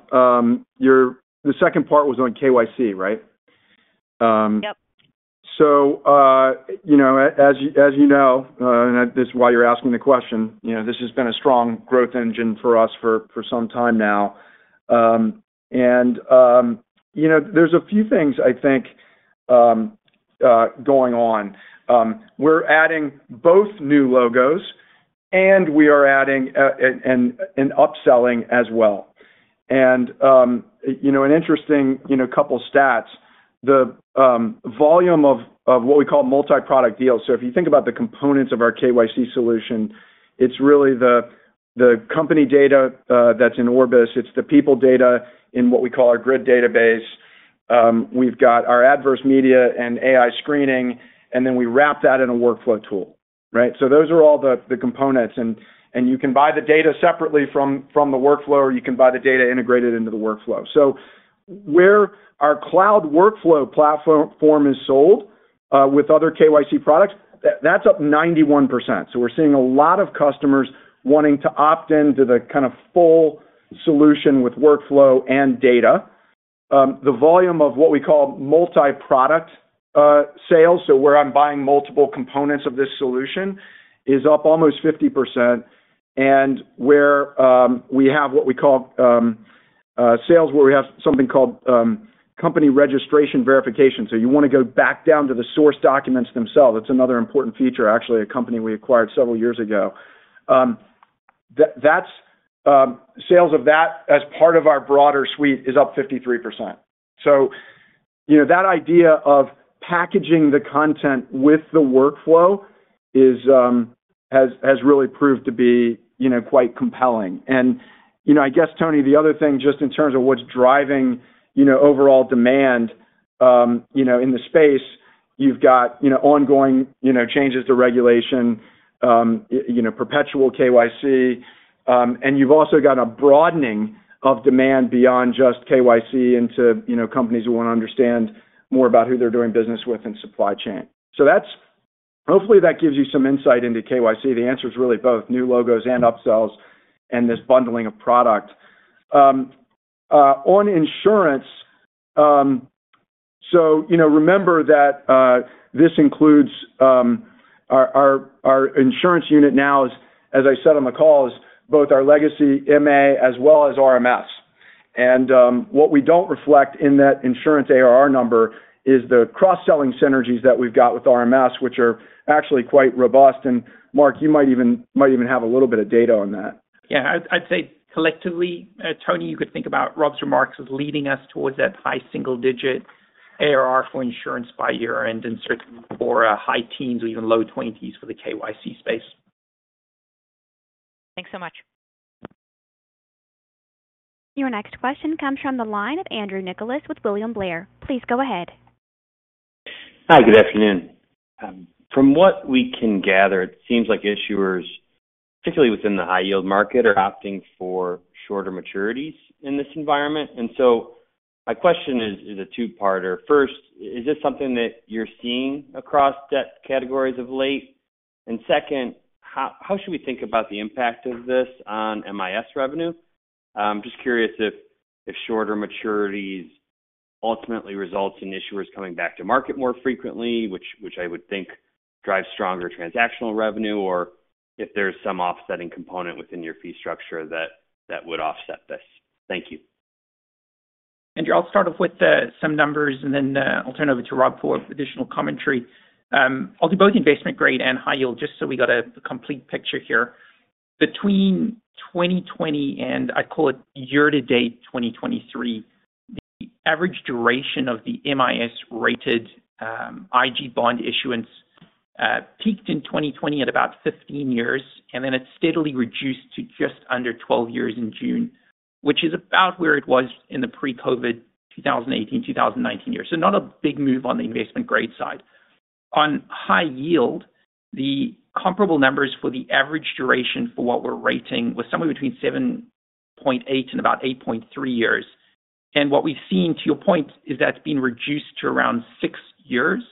The second part was on KYC, right? Yep. You know, as you, as you know, and that is why you're asking the question, you know, this has been a strong growth engine for us for some time now. You know, there's a few things I think going on. We're adding both new logos, and we are adding and upselling as well. You know, an interesting, you know, couple of stats, the volume of what we call multi-product deals. If you think about the components of our KYC solution, it's really the company data that's in Orbis. It's the people data in what we call our Grid database. We've got our adverse media and AI screening, and then we wrap that in a workflow tool, right? Those are all the components, and you can buy the data separately from the workflow, or you can buy the data integrated into the workflow. Where our cloud workflow platform is sold with other KYC products, that's up 91%. We're seeing a lot of customers wanting to opt into the kind of full solution with workflow and data. The volume of what we call multi-product sales, so where I'm buying multiple components of this solution, is up almost 50%. Where we have what we call sales, where we have something called company registration verification. You want to go back down to the source documents themselves. It's another important feature, actually, a company we acquired several years ago. That's sales of that as part of our broader suite is up 53%. You know, that idea of packaging the content with the workflow is, has really proved to be, you know, quite compelling. I guess, Toni, the other thing, just in terms of what's driving, you know, overall demand, in the space, you've got, you know, ongoing, you know, changes to regulation, perpetual KYC. You've also got a broadening of demand beyond just KYC into, you know, companies who want to understand more about who they're doing business with and supply chain. Hopefully, that gives you some insight into KYC. The answer is really both new logos and upsells, and this bundling of product. On insurance, you know, remember that this includes our insurance unit now is, as I said on the call, is both our legacy MA as well as RMS. What we don't reflect in that insurance ARR number is the cross-selling synergies that we've got with RMS, which are actually quite robust. Mark, you might even have a little bit of data on that. Yeah, I'd say collectively, Toni, you could think about Rob's remarks as leading us towards that high single digit ARR for insurance by year-end, and certainly for, high teens or even low twenties for the KYC space. Thanks so much. Your next question comes from the line of Andrew Nicholas with William Blair. Please go ahead. Hi, good afternoon. From what we can gather, it seems like issuers, particularly within the high yield market, are opting for shorter maturities in this environment. My question is a two-parter. First, is this something that you're seeing across debt categories of late? Second, how should we think about the impact of this on MIS revenue? just curious if shorter maturities ultimately results in issuers coming back to market more frequently, which I would think drives stronger transactional revenue, or if there's some offsetting component within your fee structure that would offset this. Thank you. Andrew, I'll start off with some numbers, and then I'll turn it over to Rob for additional commentary. I'll do both investment grade and high yield, just so we got a complete picture here. Between 2020 and I call it year to date, 2023, the average duration of the MIS-rated IG bond issuance peaked in 2020 at about 15 years, and then it steadily reduced to just under 12 years in June, which is about where it was in the pre-COVID, 2018, 2019 years. Not a big move on the investment grade side. On high yield, the comparable numbers for the average duration for what we're rating was somewhere between 7.8 and about 8.3 years. What we've seen, to your point, is that's been reduced to around 6 years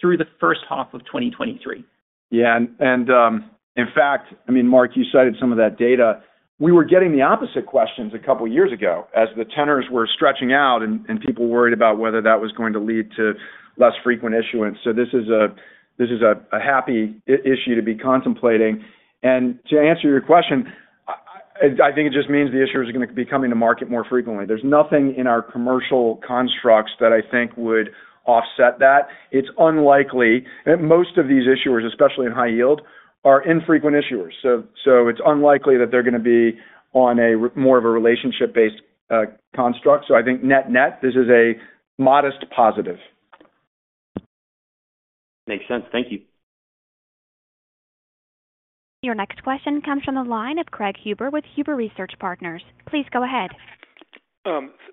through the first half of 2023. Yeah, in fact, I mean, Mark, you cited some of that data. We were getting the opposite questions a couple of years ago as the tenors were stretching out and people worried about whether that was going to lead to less frequent issuance. This is a happy issue to be contemplating. To answer your question, I think it just means the issuer is going to be coming to market more frequently. There's nothing in our commercial constructs that I think would offset that. It's unlikely, and most of these issuers, especially in high yield, are infrequent issuers, so it's unlikely that they're going to be on a more of a relationship-based construct. I think net-net, this is a modest positive. Makes sense. Thank you. Your next question comes from the line of Craig Huber with Huber Research Partners. Please go ahead.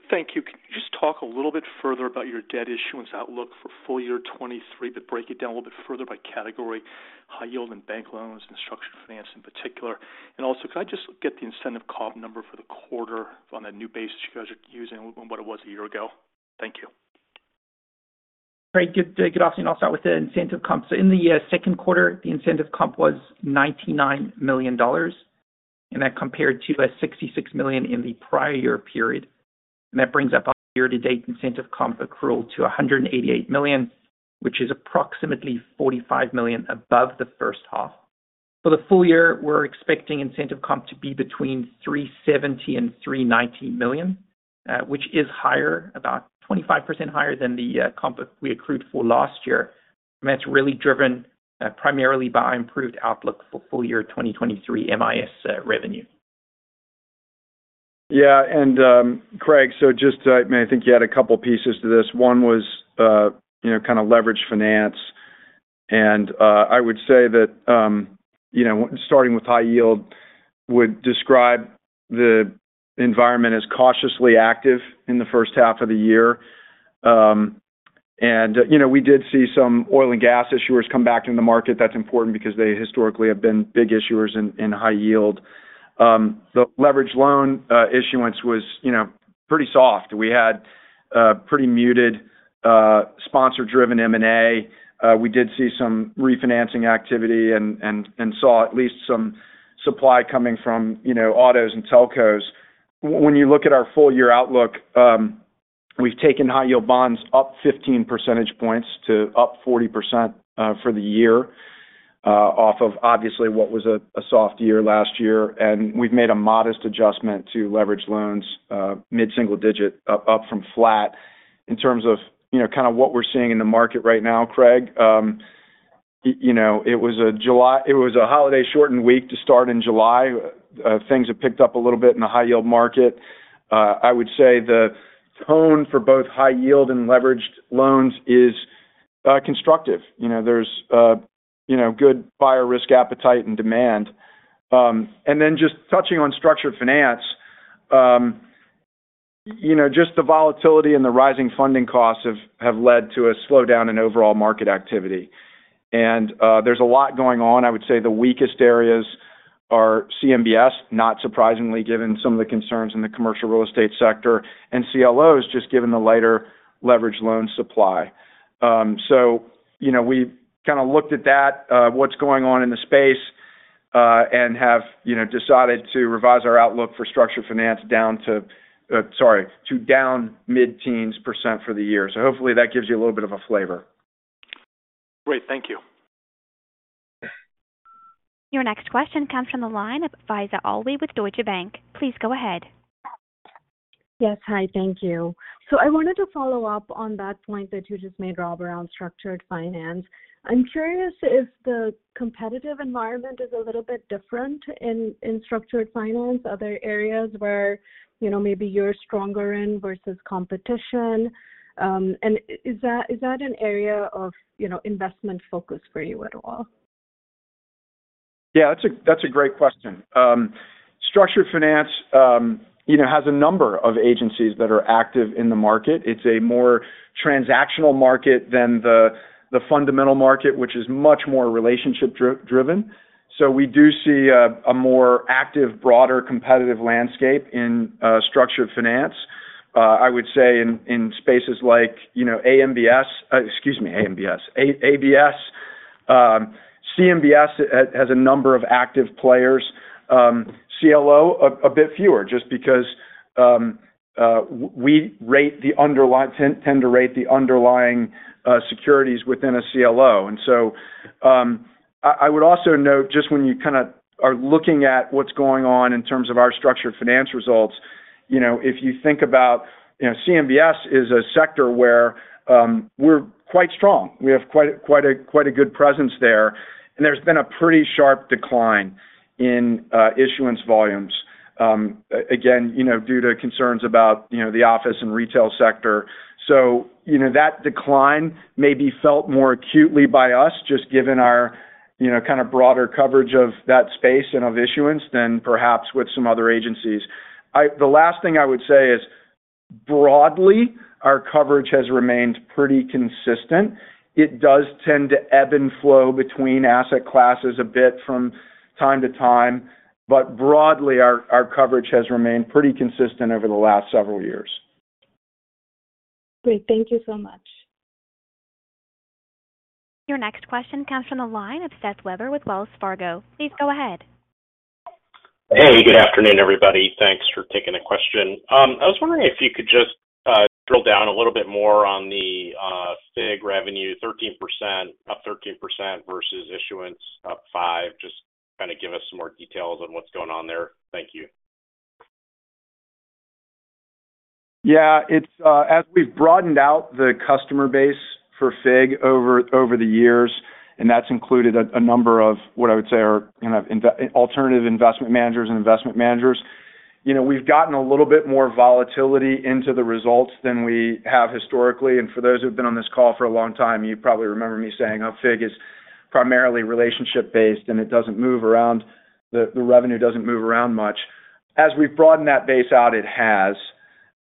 Thank you. Can you just talk a little bit further about your debt issuance outlook for full year 23, but break it down a little bit further by category, high yield and bank loans and structured finance in particular? Can I just get the incentive comp number for the quarter on the new basis you guys are using and what it was a year ago? Thank you. Great. Good, good afternoon. I'll start with the incentive comp. In the second quarter, the incentive comp was $99 million, and that compared to a $66 million in the prior period. That brings up our year-to-date incentive comp accrual to $188 million, which is approximately $45 million above the first half. For the full year, we're expecting incentive comp to be between $370 million-$390 million, which is higher, about 25% higher than the comp we accrued for last year. That's really driven primarily by improved outlook for full year 2023 MIS revenue. Craig, just, I mean, I think you had a couple pieces to this. One was, you know, kind of leveraged finance. I would say that, you know, starting with high yield, would describe the environment as cautiously active in the first half of the year. You know, we did see some oil and gas issuers come back in the market. That's important because they historically have been big issuers in high yield. The leverage loan issuance was, you know, pretty soft. We had pretty muted, sponsor-driven M&A. We did see some refinancing activity and saw at least some supply coming from, you know, autos and telcos. When you look at our full year outlook, we've taken high yield bonds up 15 percentage points to up 40% for the year, off of obviously what was a soft year last year. We've made a modest adjustment to leverage loans, mid-single digit up from flat. In terms of, you know, kind of what we're seeing in the market right now, Craig, you know, it was a holiday-shortened week to start in July. Things have picked up a little bit in the high yield market. I would say the tone for both high yield and leveraged loans is constructive. You know, there's, you know, good buyer risk, appetite and demand. Then just touching on structured finance, you know, just the volatility and the rising funding costs have led to a slowdown in overall market activity. There's a lot going on. I would say the weakest areas are CMBS, not surprisingly, given some of the concerns in the commercial real estate sector, and CLOs, just given the lighter leverage loan supply. You know, we've kind of looked at that, what's going on in the space, and have, you know, decided to revise our outlook for structured finance down to, sorry, to down mid-teens percent for the year. Hopefully that gives you a little bit of a flavor. Great. Thank you. Your next question comes from the line of Faiza Alwy with Deutsche Bank. Please go ahead. Yes. Hi, thank you. I wanted to follow up on that point that you just made, Rob, around structured finance. I'm curious if the competitive environment is a little bit different in structured finance, other areas where, you know, maybe you're stronger in versus competition? Is that an area of, you know, investment focus for you at all? Yeah, that's a great question. structured finance, you know, has a number of agencies that are active in the market. It's a more transactional market than the fundamental market, which is much more relationship driven. We do see a more active, broader competitive landscape in structured finance. I would say in spaces like, you know, RMBS, excuse me, RMBS, ABS. CMBS has a number of active players. CLO, a bit fewer just because we tend to rate the underlying securities within a CLO. I would also note, just when you kind of are looking at what's going on in terms of our structured finance results, you know, if you think about, you know, CMBS is a sector where we're quite strong. We have quite a good presence there. There's been a pretty sharp decline in issuance volumes, again, you know, due to concerns about, you know, the office and retail sector. You know, that decline may be felt more acutely by us, just given our, you know, kind of broader coverage of that space and of issuance than perhaps with some other agencies. The last thing I would say is, broadly, our coverage has remained pretty consistent. It does tend to ebb and flow between asset classes a bit from time to time, broadly, our coverage has remained pretty consistent over the last several years. Great. Thank you so much. Your next question comes from the line of Seth Weber with Wells Fargo. Please go ahead. Hey, good afternoon, everybody. Thanks for taking the question. I was wondering if you could just drill down a little bit more on the FIG revenue, up 13% versus issuance, up five. Just kind of give us some more details on what's going on there. Thank you. Yeah, it's as we've broadened out the customer base for FIG over the years, and that's included a number of what I would say are alternative investment managers and investment managers. You know, we've gotten a little bit more volatility into the results than we have historically. For those who've been on this call for a long time, you probably remember me saying, oh, FIG is primarily relationship-based, and it doesn't move around. The revenue doesn't move around much. As we broaden that base out, it has.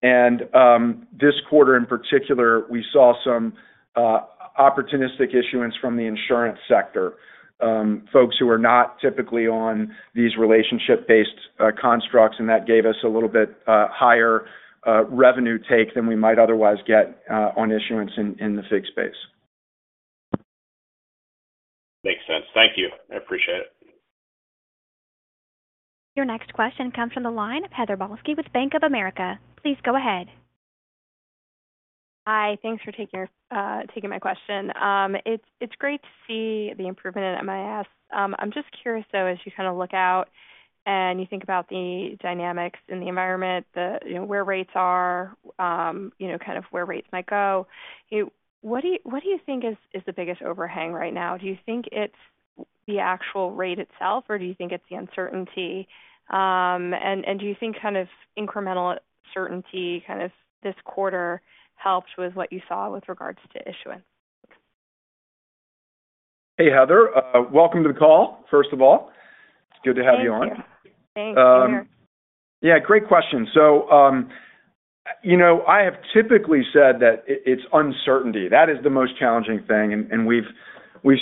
This quarter in particular, we saw some opportunistic issuance from the insurance sector, folks who are not typically on these relationship-based constructs, and that gave us a little bit higher revenue take than we might otherwise get on issuance in the FIG space. Makes sense. Thank you. I appreciate it. Your next question comes from the line of Heather Balsky with Bank of America. Please go ahead. Hi, thanks for taking my question. It's great to see the improvement in MIS. I'm just curious, though, as you kind of look out, and you think about the dynamics in the environment, the, you know, where rates are, you know, kind of where rates might go. What do you think is the biggest overhang right now? Do you think it's the actual rate itself, or do you think it's the uncertainty? And do you think kind of incremental certainty, kind of this quarter, helped with what you saw with regards to issuance? Hey, Heather. Welcome to the call, first of all. It's good to have you on. Thank you. Thanks, Heather. Yeah, great question. You know, I have typically said that it's uncertainty that is the most challenging thing, and we've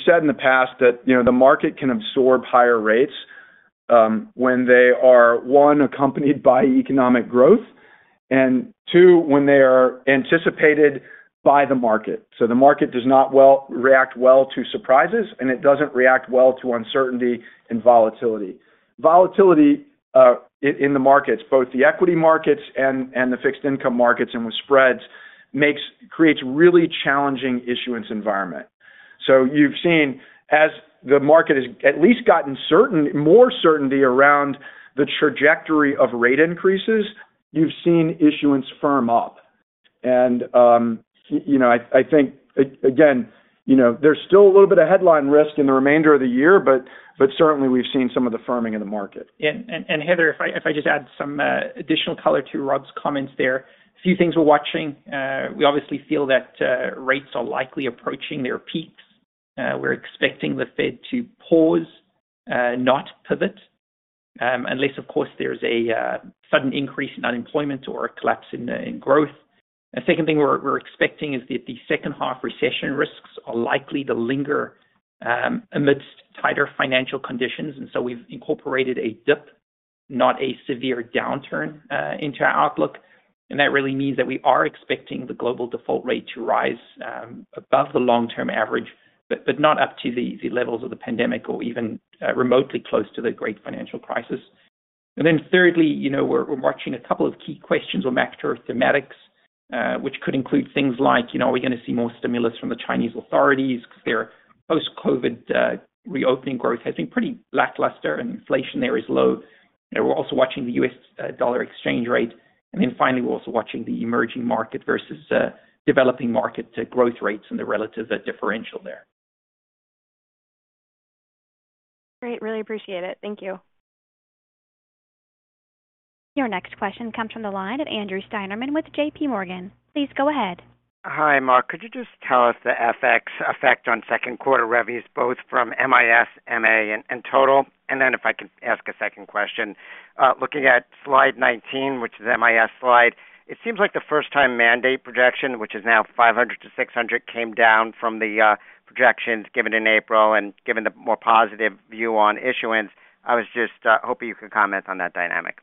said in the past that, you know, the market can absorb higher rates when they are, one, accompanied by economic growth, and two, when they are anticipated by the market. The market does not react well to surprises, and it doesn't react well to uncertainty and volatility. Volatility in the markets, both the equity markets and the fixed income markets and with spreads, creates really challenging issuance environment. You've seen, as the market has at least gotten more certainty around the trajectory of rate increases, you've seen issuance firm up. you know, I think again, you know, there's still a little bit of headline risk in the remainder of the year, but certainly we've seen some of the firming in the market. Heather, if I just add some additional color to Rob's comments there. A few things we're watching. We obviously feel that rates are likely approaching their peaks. We're expecting the Fed to pause, not pivot, unless of course, there's a sudden increase in unemployment or a collapse in growth. The second thing we're expecting is that the second half recession risks are likely to linger amidst tighter financial conditions. We've incorporated a dip, not a severe downturn, into our outlook. That really means that we are expecting the global default rate to rise above the long-term average, but not up to the levels of the pandemic or even remotely close to the great financial crisis. Thirdly, you know, we're watching a couple of key questions on macro thematics, which could include things like, you know, are we going to see more stimulus from the Chinese authorities? Because their post-COVID reopening growth has been pretty lackluster. Inflation there is low. We're also watching the U.S. dollar exchange rate. Finally, we're also watching the emerging market versus developing market growth rates and the relatives at differential there. Great. Really appreciate it. Thank you. Your next question comes from the line of Andrew Steinerman with JPMorgan. Please go ahead. Hi, Mark. Could you just tell us the FX effect on second quarter revenues, both from MIS, MA and total? If I could ask a second question. Looking at slide 19, which is the MIS slide, it seems like the first-time mandate projection, which is now 500-600, came down from the projections given in April and given the more positive view on issuance. I was just hoping you could comment on that dynamic.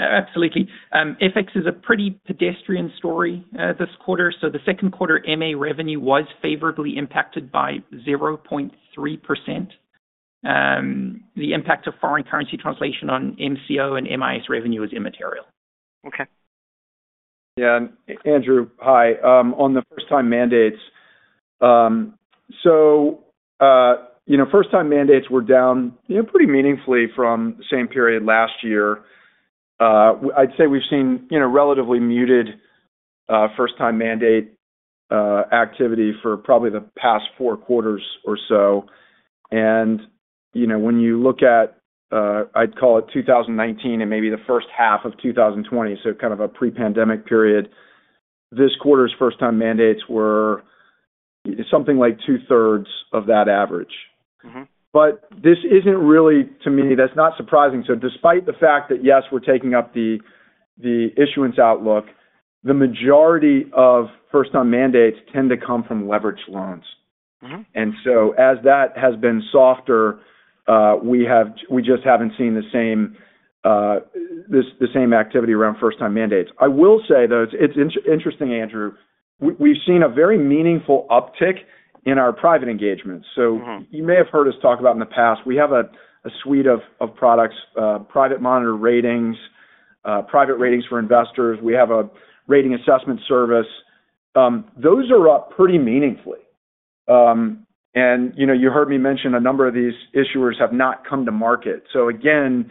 absolutely. FX is a pretty pedestrian story, this quarter. The second quarter MA revenue was favorably impacted by 0.3%. The impact of foreign currency translation on MCO and MIS revenue is immaterial. Okay. Yeah. Andrew, hi. On the first-time mandates, you know, first-time mandates were down pretty meaningfully from the same period last year. I'd say we've seen, you know, relatively muted first-time mandate activity for probably the past four quarters or so. You know, when you look at, I'd call it 2019 and maybe the first half of 2020, so kind of a pre-pandemic period, this quarter's first-time mandates were something like two-thirds of that average. This isn't really. To me, that's not surprising. Despite the fact that, yes, we're taking up the issuance outlook, the majority of first-time mandates tend to come from leveraged loans. As that has been softer, we just haven't seen the same activity around first-time mandates. I will say, though, it's interesting, Andrew, we've seen a very meaningful uptick in our private engagements. You may have heard us talk about in the past, we have a suite of products, private monitor ratings, private ratings for investors. We have a rating assessment service. Those are up pretty meaningfully. You know, you heard me mention a number of these issuers have not come to market. Again,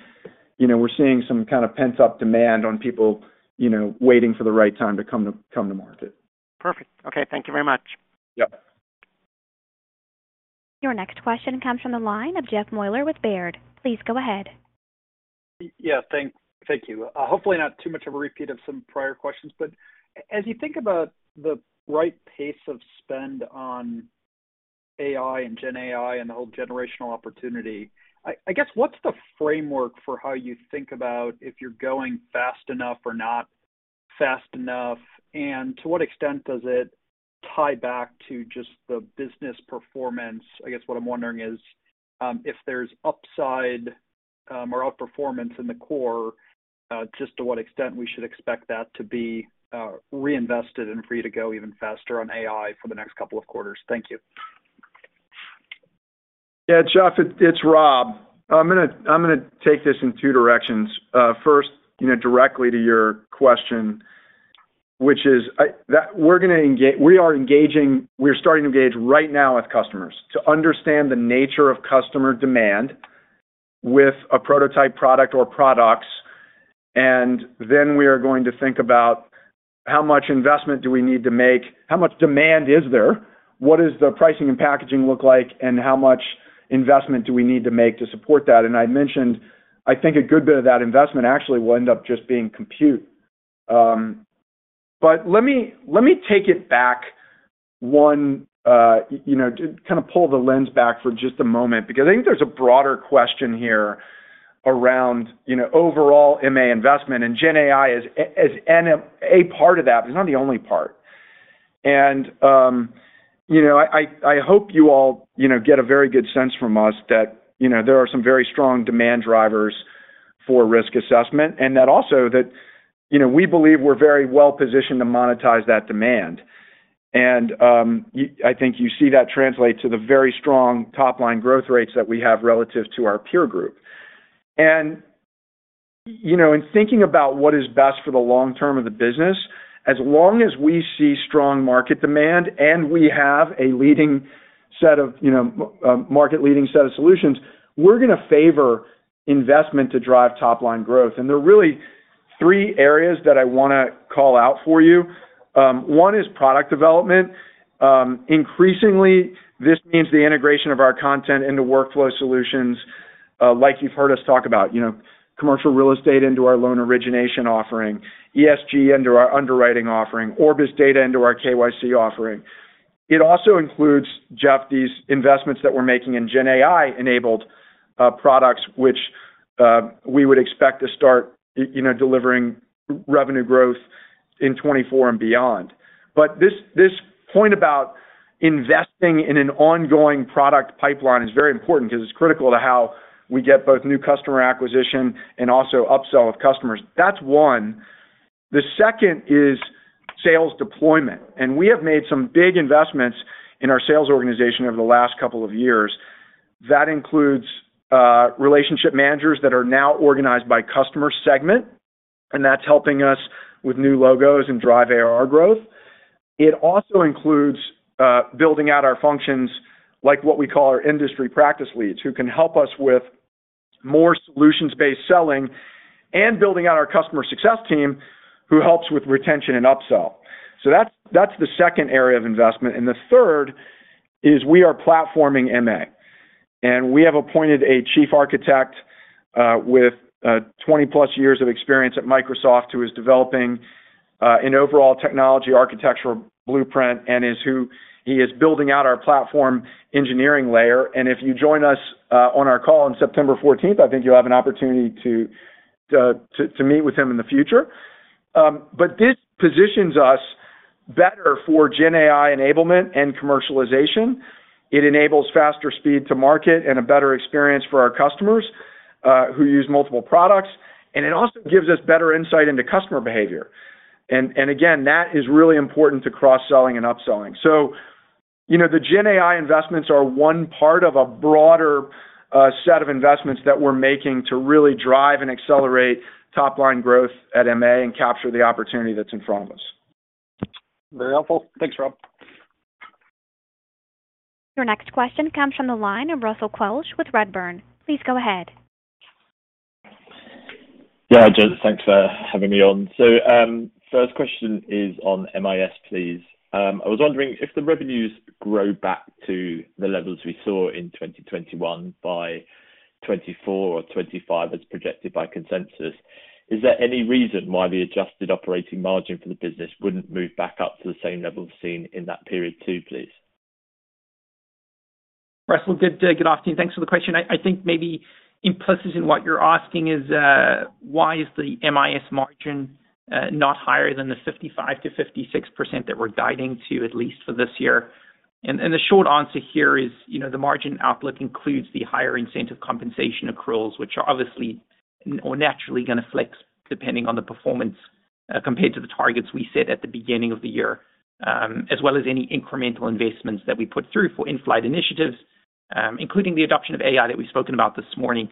you know, we're seeing some kind of pent-up demand on people, you know, waiting for the right time to come to market. Perfect. Okay. Thank you very much. Yep. Your next question comes from the line of Jeff Meuler with Baird. Please go ahead. Yeah. Thank you. Hopefully not too much of a repeat of some prior questions, but as you think about the right pace of spend on AI and GenAI and the whole generational opportunity, I guess, what's the framework for how you think about if you're going fast enough or not fast enough? To what extent does it tie back to just the business performance? I guess what I'm wondering is, if there's upside, or outperformance in the core, just to what extent we should expect that to be reinvested and for you to go even faster on AI for the next couple of quarters. Thank you. Yeah, Jeff, it's Rob. I'm going to take this in two directions. First, you know, directly to your question. Which is, that we are starting to engage right now with customers, to understand the nature of customer demand with a prototype product or products. We are going to think about how much investment do we need to make? How much demand is there? What is the pricing and packaging look like, and how much investment do we need to make to support that? I mentioned, I think a good bit of that investment actually will end up just being compute. Let me, let me take it back one, you know, to kind of pull the lens back for just a moment, because I think there's a broader question here around, you know, overall MA investment, and GenAI is MA part of that, but it's not the only part. You know, I hope you all, you know, get a very good sense from us that, you know, there are some very strong demand drivers for risk assessment, and that also that, you know, we believe we're very well positioned to monetize that demand. I think you see that translate to the very strong top line growth rates that we have relative to our peer group. You know, in thinking about what is best for the long term of the business, as long as we see strong market demand, and we have a leading set of, you know, market-leading set of solutions, we're gonna favor investment to drive top line growth. There are really three areas that I wanna call out for you. One is product development. Increasingly, this means the integration of our content into workflow solutions, like you've heard us talk about, you know, commercial real estate into our loan origination offering, ESG into our underwriting offering, Orbis data into our KYC offering. It also includes, Jeff, these investments that we're making in GenAI-enabled products, which we would expect to start, you know, delivering revenue growth in 2024 and beyond. This point about investing in an ongoing product pipeline is very important because it's critical to how we get both new customer acquisition and also upsell of customers. That's one. The second is sales deployment. We have made some big investments in our sales organization over the last 2 years. That includes relationship managers that are now organized by customer segment. That's helping us with new logos and drive AR growth. It also includes building out our functions, like what we call our industry practice leads, who can help us with more solutions-based selling and building out our customer success team, who helps with retention and upsell. That's the second area of investment. The third is we are platforming MA. We have appointed a chief architect, with 20-plus years of experience at Microsoft, who is developing an overall technology architectural blueprint and he is building out our platform engineering layer. If you join us on our call on September 14th, I think you'll have an opportunity to meet with him in the future. This positions us better for GenAI enablement and commercialization. It enables faster speed to market and a better experience for our customers, who use multiple products. It also gives us better insight into customer behavior. Again, that is really important to cross-selling and upselling. you know, the GenAI investments are one part of a broader set of investments that we're making to really drive and accelerate top-line growth at MA and capture the opportunity that's in front of us. Very helpful. Thanks, Rob. Your next question comes from the line of Russell Quelch with Redburn. Please go ahead. Yeah, Jeff, thanks for having me on. First question is on MIS, please. I was wondering if the revenues grow back to the levels we saw in 2021 by 2024 or 2025, as projected by consensus. Is there any reason why the adjusted operating margin for the business wouldn't move back up to the same level seen in that period too, please? Russell, good afternoon. Thanks for the question. I think maybe implicit in what you're asking is why is the MIS margin not higher than the 55%-56% that we're guiding to, at least for this year? The short answer here is, you know, the margin outlook includes the higher incentive compensation accruals, which are obviously or naturally gonna flex depending on the performance compared to the targets we set at the beginning of the year. As well as any incremental investments that we put through for in-flight initiatives, including the adoption of AI that we've spoken about this morning.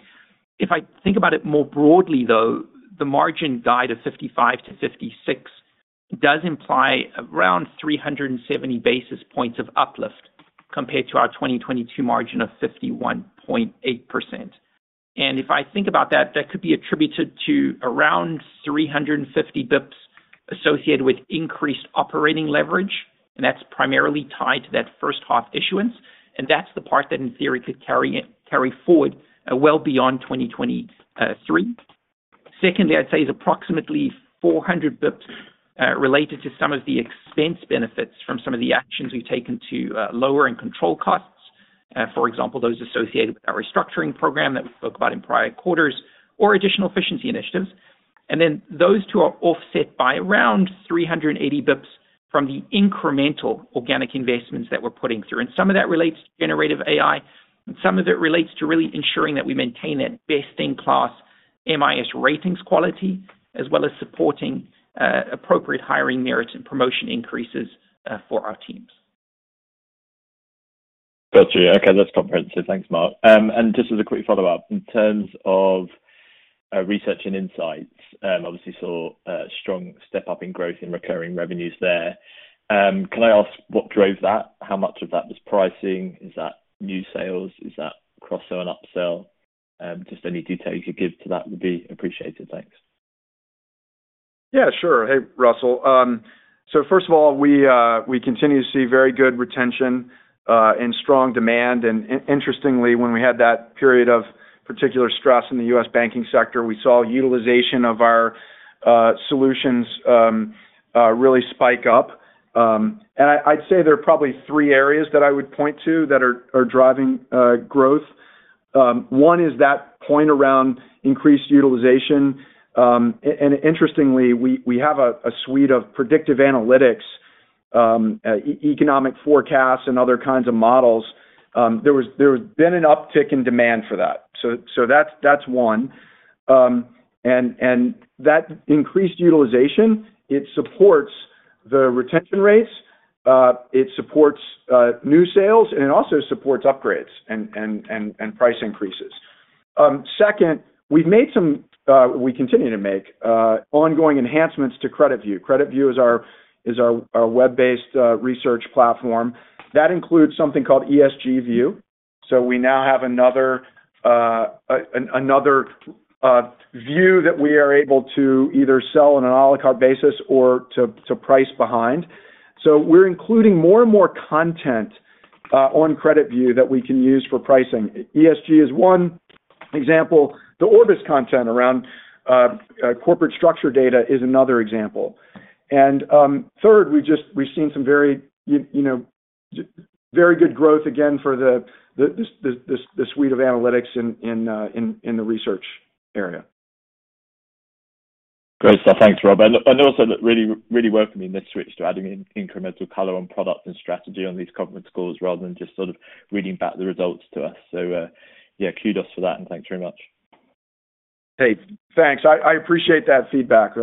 If I think about it more broadly, though, the margin guide of 55% to 56% does imply around 370 basis points of uplift compared to our 2022 margin of 51.8%. If I think about that could be attributed to around 350 BPS associated with increased operating leverage, and that's primarily tied to that first half issuance, and that's the part that, in theory, could carry forward well beyond 2023. Secondly, I'd say is approximately 400 BPS related to some of the expense benefits from some of the actions we've taken to lower and control costs. For example, those associated with our restructuring program that we spoke about in prior quarters or additional efficiency initiatives. Those two are offset by around 380 BPS from the incremental organic investments that we're putting through. Some of that relates to Generative AI, and some of it relates to really ensuring that we maintain that best-in-class MIS ratings quality, as well as supporting appropriate hiring merits and promotion increases for our teams. Got you. Okay, that's comprehensive. Thanks, Mark. Just as a quick follow-up, in terms of research and insights, obviously saw a strong step-up in growth in recurring revenues there. Can I ask what drove that? How much of that was pricing? Is that new sales? Is that cross-sell and upsell? Just any detail you could give to that would be appreciated. Thanks. Yeah, sure. Hey, Russell. First of all, we continue to see very good retention and strong demand. Interestingly, when we had that period of particular stress in the U.S. banking sector, we saw utilization of our solutions really spike up. I'd say there are probably three areas that I would point to that are driving growth. One is that point around increased utilization. Interestingly, we have a suite of predictive analytics, economic forecasts and other kinds of models. There has been an uptick in demand for that. That's one. That increased utilization, it supports the retention rates, it supports new sales, and it also supports upgrades and price increases. Second, we continue to make ongoing enhancements to CreditView. CreditView is our web-based research platform. That includes something called ESG View. We now have another view that we are able to either sell on an à la carte basis or to price behind. We're including more and more content on CreditView that we can use for pricing. ESG is one example. The Orbis content around corporate structure data is another example. Third, we've seen some very, you know, very good growth, again, for the suite of analytics in the research area. Great stuff. Thanks, Rob. Also that really welcoming this switch to adding in incremental color on product and strategy on these conference calls rather than just sort of reading back the results to us. Yeah, kudos for that, and thanks very much. Hey, thanks. I appreciate that feedback.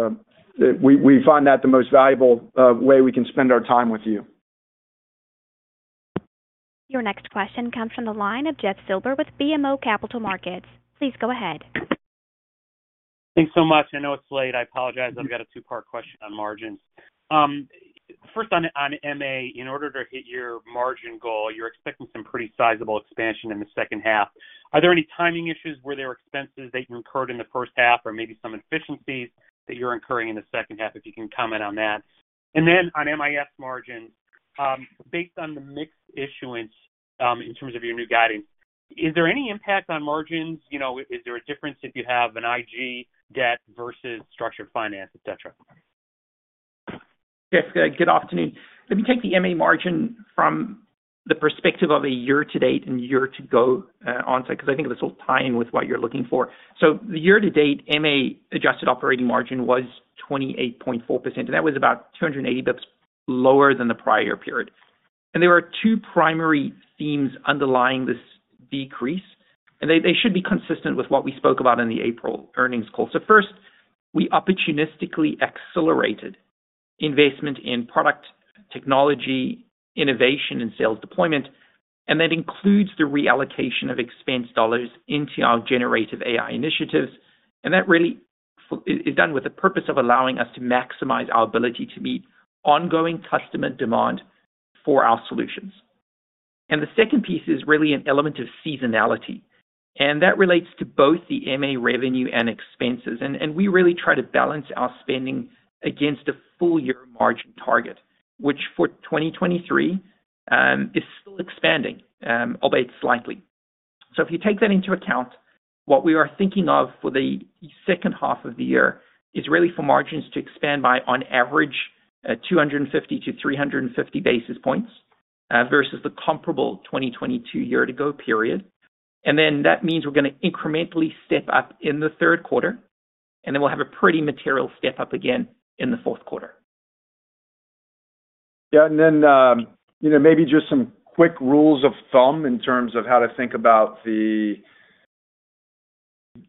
We find that the most valuable way we can spend our time with you. Your next question comes from the line of Jeff Silber with BMO Capital Markets. Please go ahead. Thanks so much. I know it's late. I apologize. I've got a two-part question on margins. First, on MA, in order to hit your margin goal, you're expecting some pretty sizable expansion in the second half. Are there any timing issues where there are expenses that you incurred in the first half, or maybe some efficiencies that you're incurring in the second half, if you can comment on that? Then on MIS margin, based on the mixed issuance, in terms of your new guidance, is there any impact on margins? You know, is there a difference if you have an IG debt versus structured finance, et cetera? Yes, good afternoon. Let me take the MA margin from the perspective of a year to date and year to go onset, because I think this will tie in with what you're looking for. The year to date, MA adjusted operating margin was 28.4%, and that was about 280 basis points lower than the prior period. There are two primary themes underlying this decrease, and they should be consistent with what we spoke about in the April earnings call. First, we opportunistically accelerated investment in product technology, innovation, and sales deployment, and that includes the reallocation of expense dollars into our Generative AI initiatives. That really is done with the purpose of allowing us to maximize our ability to meet ongoing customer demand for our solutions. The second piece is really an element of seasonality, and that relates to both the MA revenue and expenses. We really try to balance our spending against a full year margin target, which for 2023, is still expanding, albeit slightly. If you take that into account, what we are thinking of for the second half of the year is really for margins to expand by, on average, 250-350 basis points, versus the comparable 2022 year-to-go period. That means we're going to incrementally step up in the third quarter, and then we'll have a pretty material step up again in the fourth quarter. Yeah, you know, maybe just some quick rules of thumb in terms of how to think about the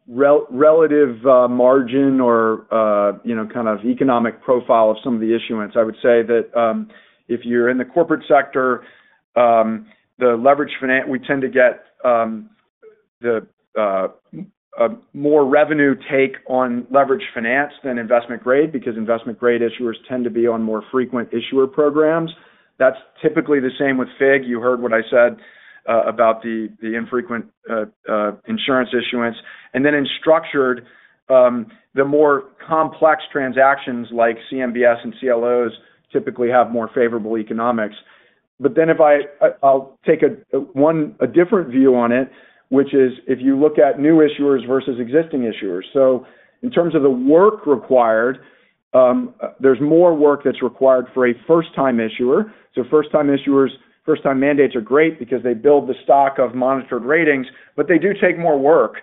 relative margin or, you know, kind of economic profile of some of the issuance. I would say that if you're in the corporate sector, we tend to get the more revenue take on leverage finance than investment grade, because investment grade issuers tend to be on more frequent issuer programs. That's typically the same with FIG. You heard what I said about the infrequent insurance issuance. In structured, the more complex transactions, like CMBS and CLOs, typically have more favorable economics. If I'll take a different view on it, which is if you look at new issuers versus existing issuers. In terms of the work required, there's more work that's required for a first-time issuer. First-time issuers, first-time mandates are great because they build the stock of monitored ratings, but they do take more work.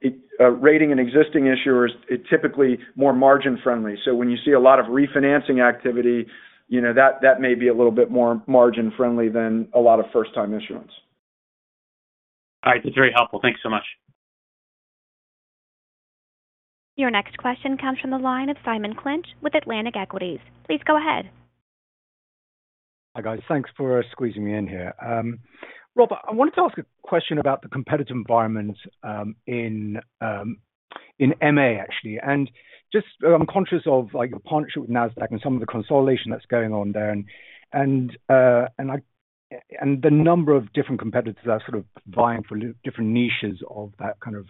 It, rating an existing issuer is typically more margin-friendly. When you see a lot of refinancing activity, you know, that may be a little bit more margin-friendly than a lot of first-time issuance.sr All right. That's very helpful. Thanks so much. Your next question comes from the line of Simon Clinch with Atlantic Equities. Please go ahead. Hi, guys. Thanks for squeezing me in here. Rob, I wanted to ask a question about the competitive environment in MA, actually, and I'm conscious of, like, your partnership with Nasdaq and some of the consolidation that's going on there, and the number of different competitors that are sort of vying for different niches of that kind of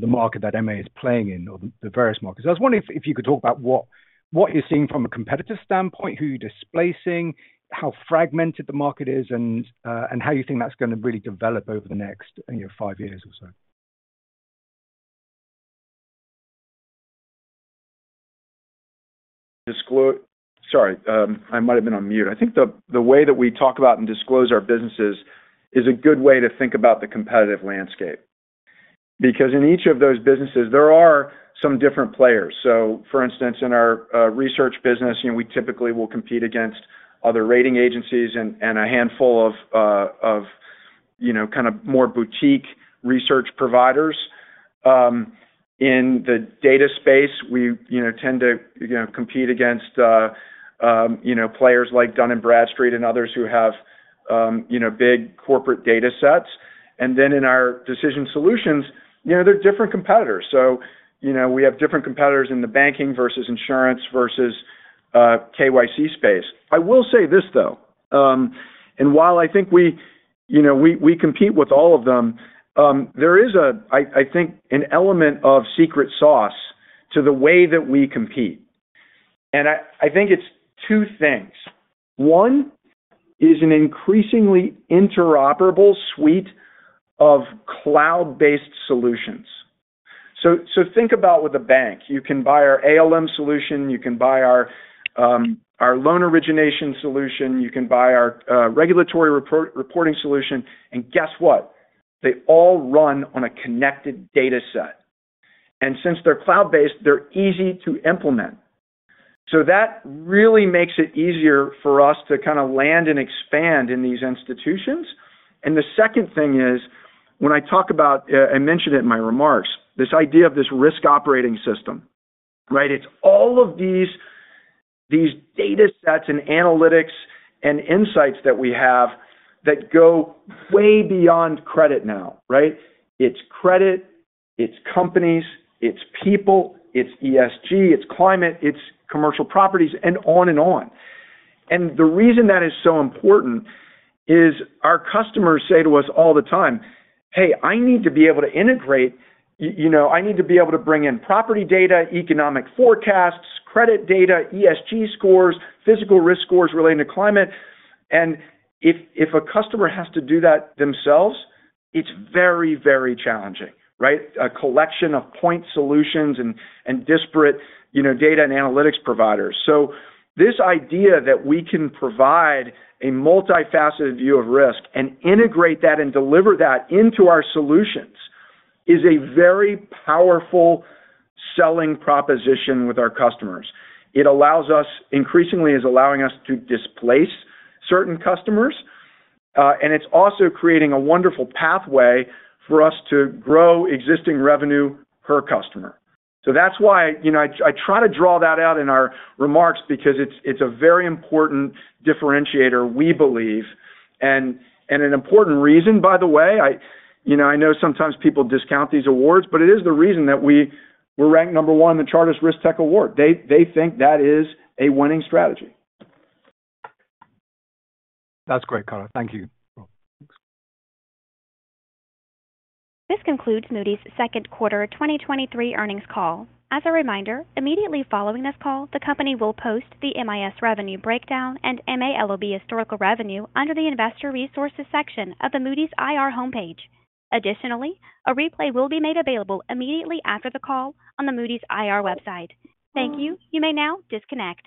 the market that MA is playing in or the various markets. I was wondering if you could talk about what you're seeing from a competitive standpoint, who you're displacing, how fragmented the market is, and how you think that's going to really develop over the next, you know, 5 years or so? Sorry, I might have been on mute. I think the way that we talk about and disclose our businesses is a good way to think about the competitive landscape. In each of those businesses, there are some different players. For instance, in our research business, you know, we typically will compete against other rating agencies and a handful of, you know, kind of more boutique research providers. In the data space, we, you know, tend to, you know, compete against, you know, players like Dun & Bradstreet and others who have, you know, big corporate datasets. In our Decision Solutions, you know, there are different competitors. We have different competitors in the banking versus insurance versus KYC space. I will say this, though, while I think we, you know, we compete with all of them, there is a, I think, an element of secret sauce to the way that we compete. I think it's two things. One is an increasingly interoperable suite of cloud-based solutions. Think about with a bank, you can buy our ALM solution, you can buy our loan origination solution, you can buy our regulatory reporting solution, Guess what? They all run on a connected dataset. Since they're cloud-based, they're easy to implement. That really makes it easier for us to kind of land and expand in these institutions. The second thing is, when I talk about, I mentioned it in my remarks, this idea of this risk operating system, right? It's all of these datasets and analytics and insights that we have that go way beyond credit now, right? It's credit, it's companies, it's people, it's ESG, it's climate, it's commercial properties, and on and on. The reason that is so important is our customers say to us all the time, "Hey, I need to be able to integrate... you know, I need to be able to bring in property data, economic forecasts, credit data, ESG scores, physical risk scores relating to climate." If a customer has to do that themselves, it's very, very challenging, right? A collection of point solutions and disparate, you know, data and analytics providers. This idea that we can provide a multifaceted view of risk and integrate that and deliver that into our solutions, is a very powerful selling proposition with our customers. It allows us...Increasingly, is allowing us to displace certain customers, and it's also creating a wonderful pathway for us to grow existing revenue per customer. That's why, you know, I try to draw that out in our remarks because it's a very important differentiator, we believe. An important reason, by the way, You know, I know sometimes people discount these awards, but it is the reason that we were ranked number 1 in the Chartis RiskTech100 awards. They think that is a winning strategy. That's great color. Thank you. This concludes Moody's second quarter 2023 earnings call. As a reminder, immediately following this call, the company will post the MIS revenue breakdown and MA LOB historical revenue under the Investor Resources section of the Moody's IR homepage. A replay will be made available immediately after the call on the Moody's IR website. Thank you. You may now disconnect.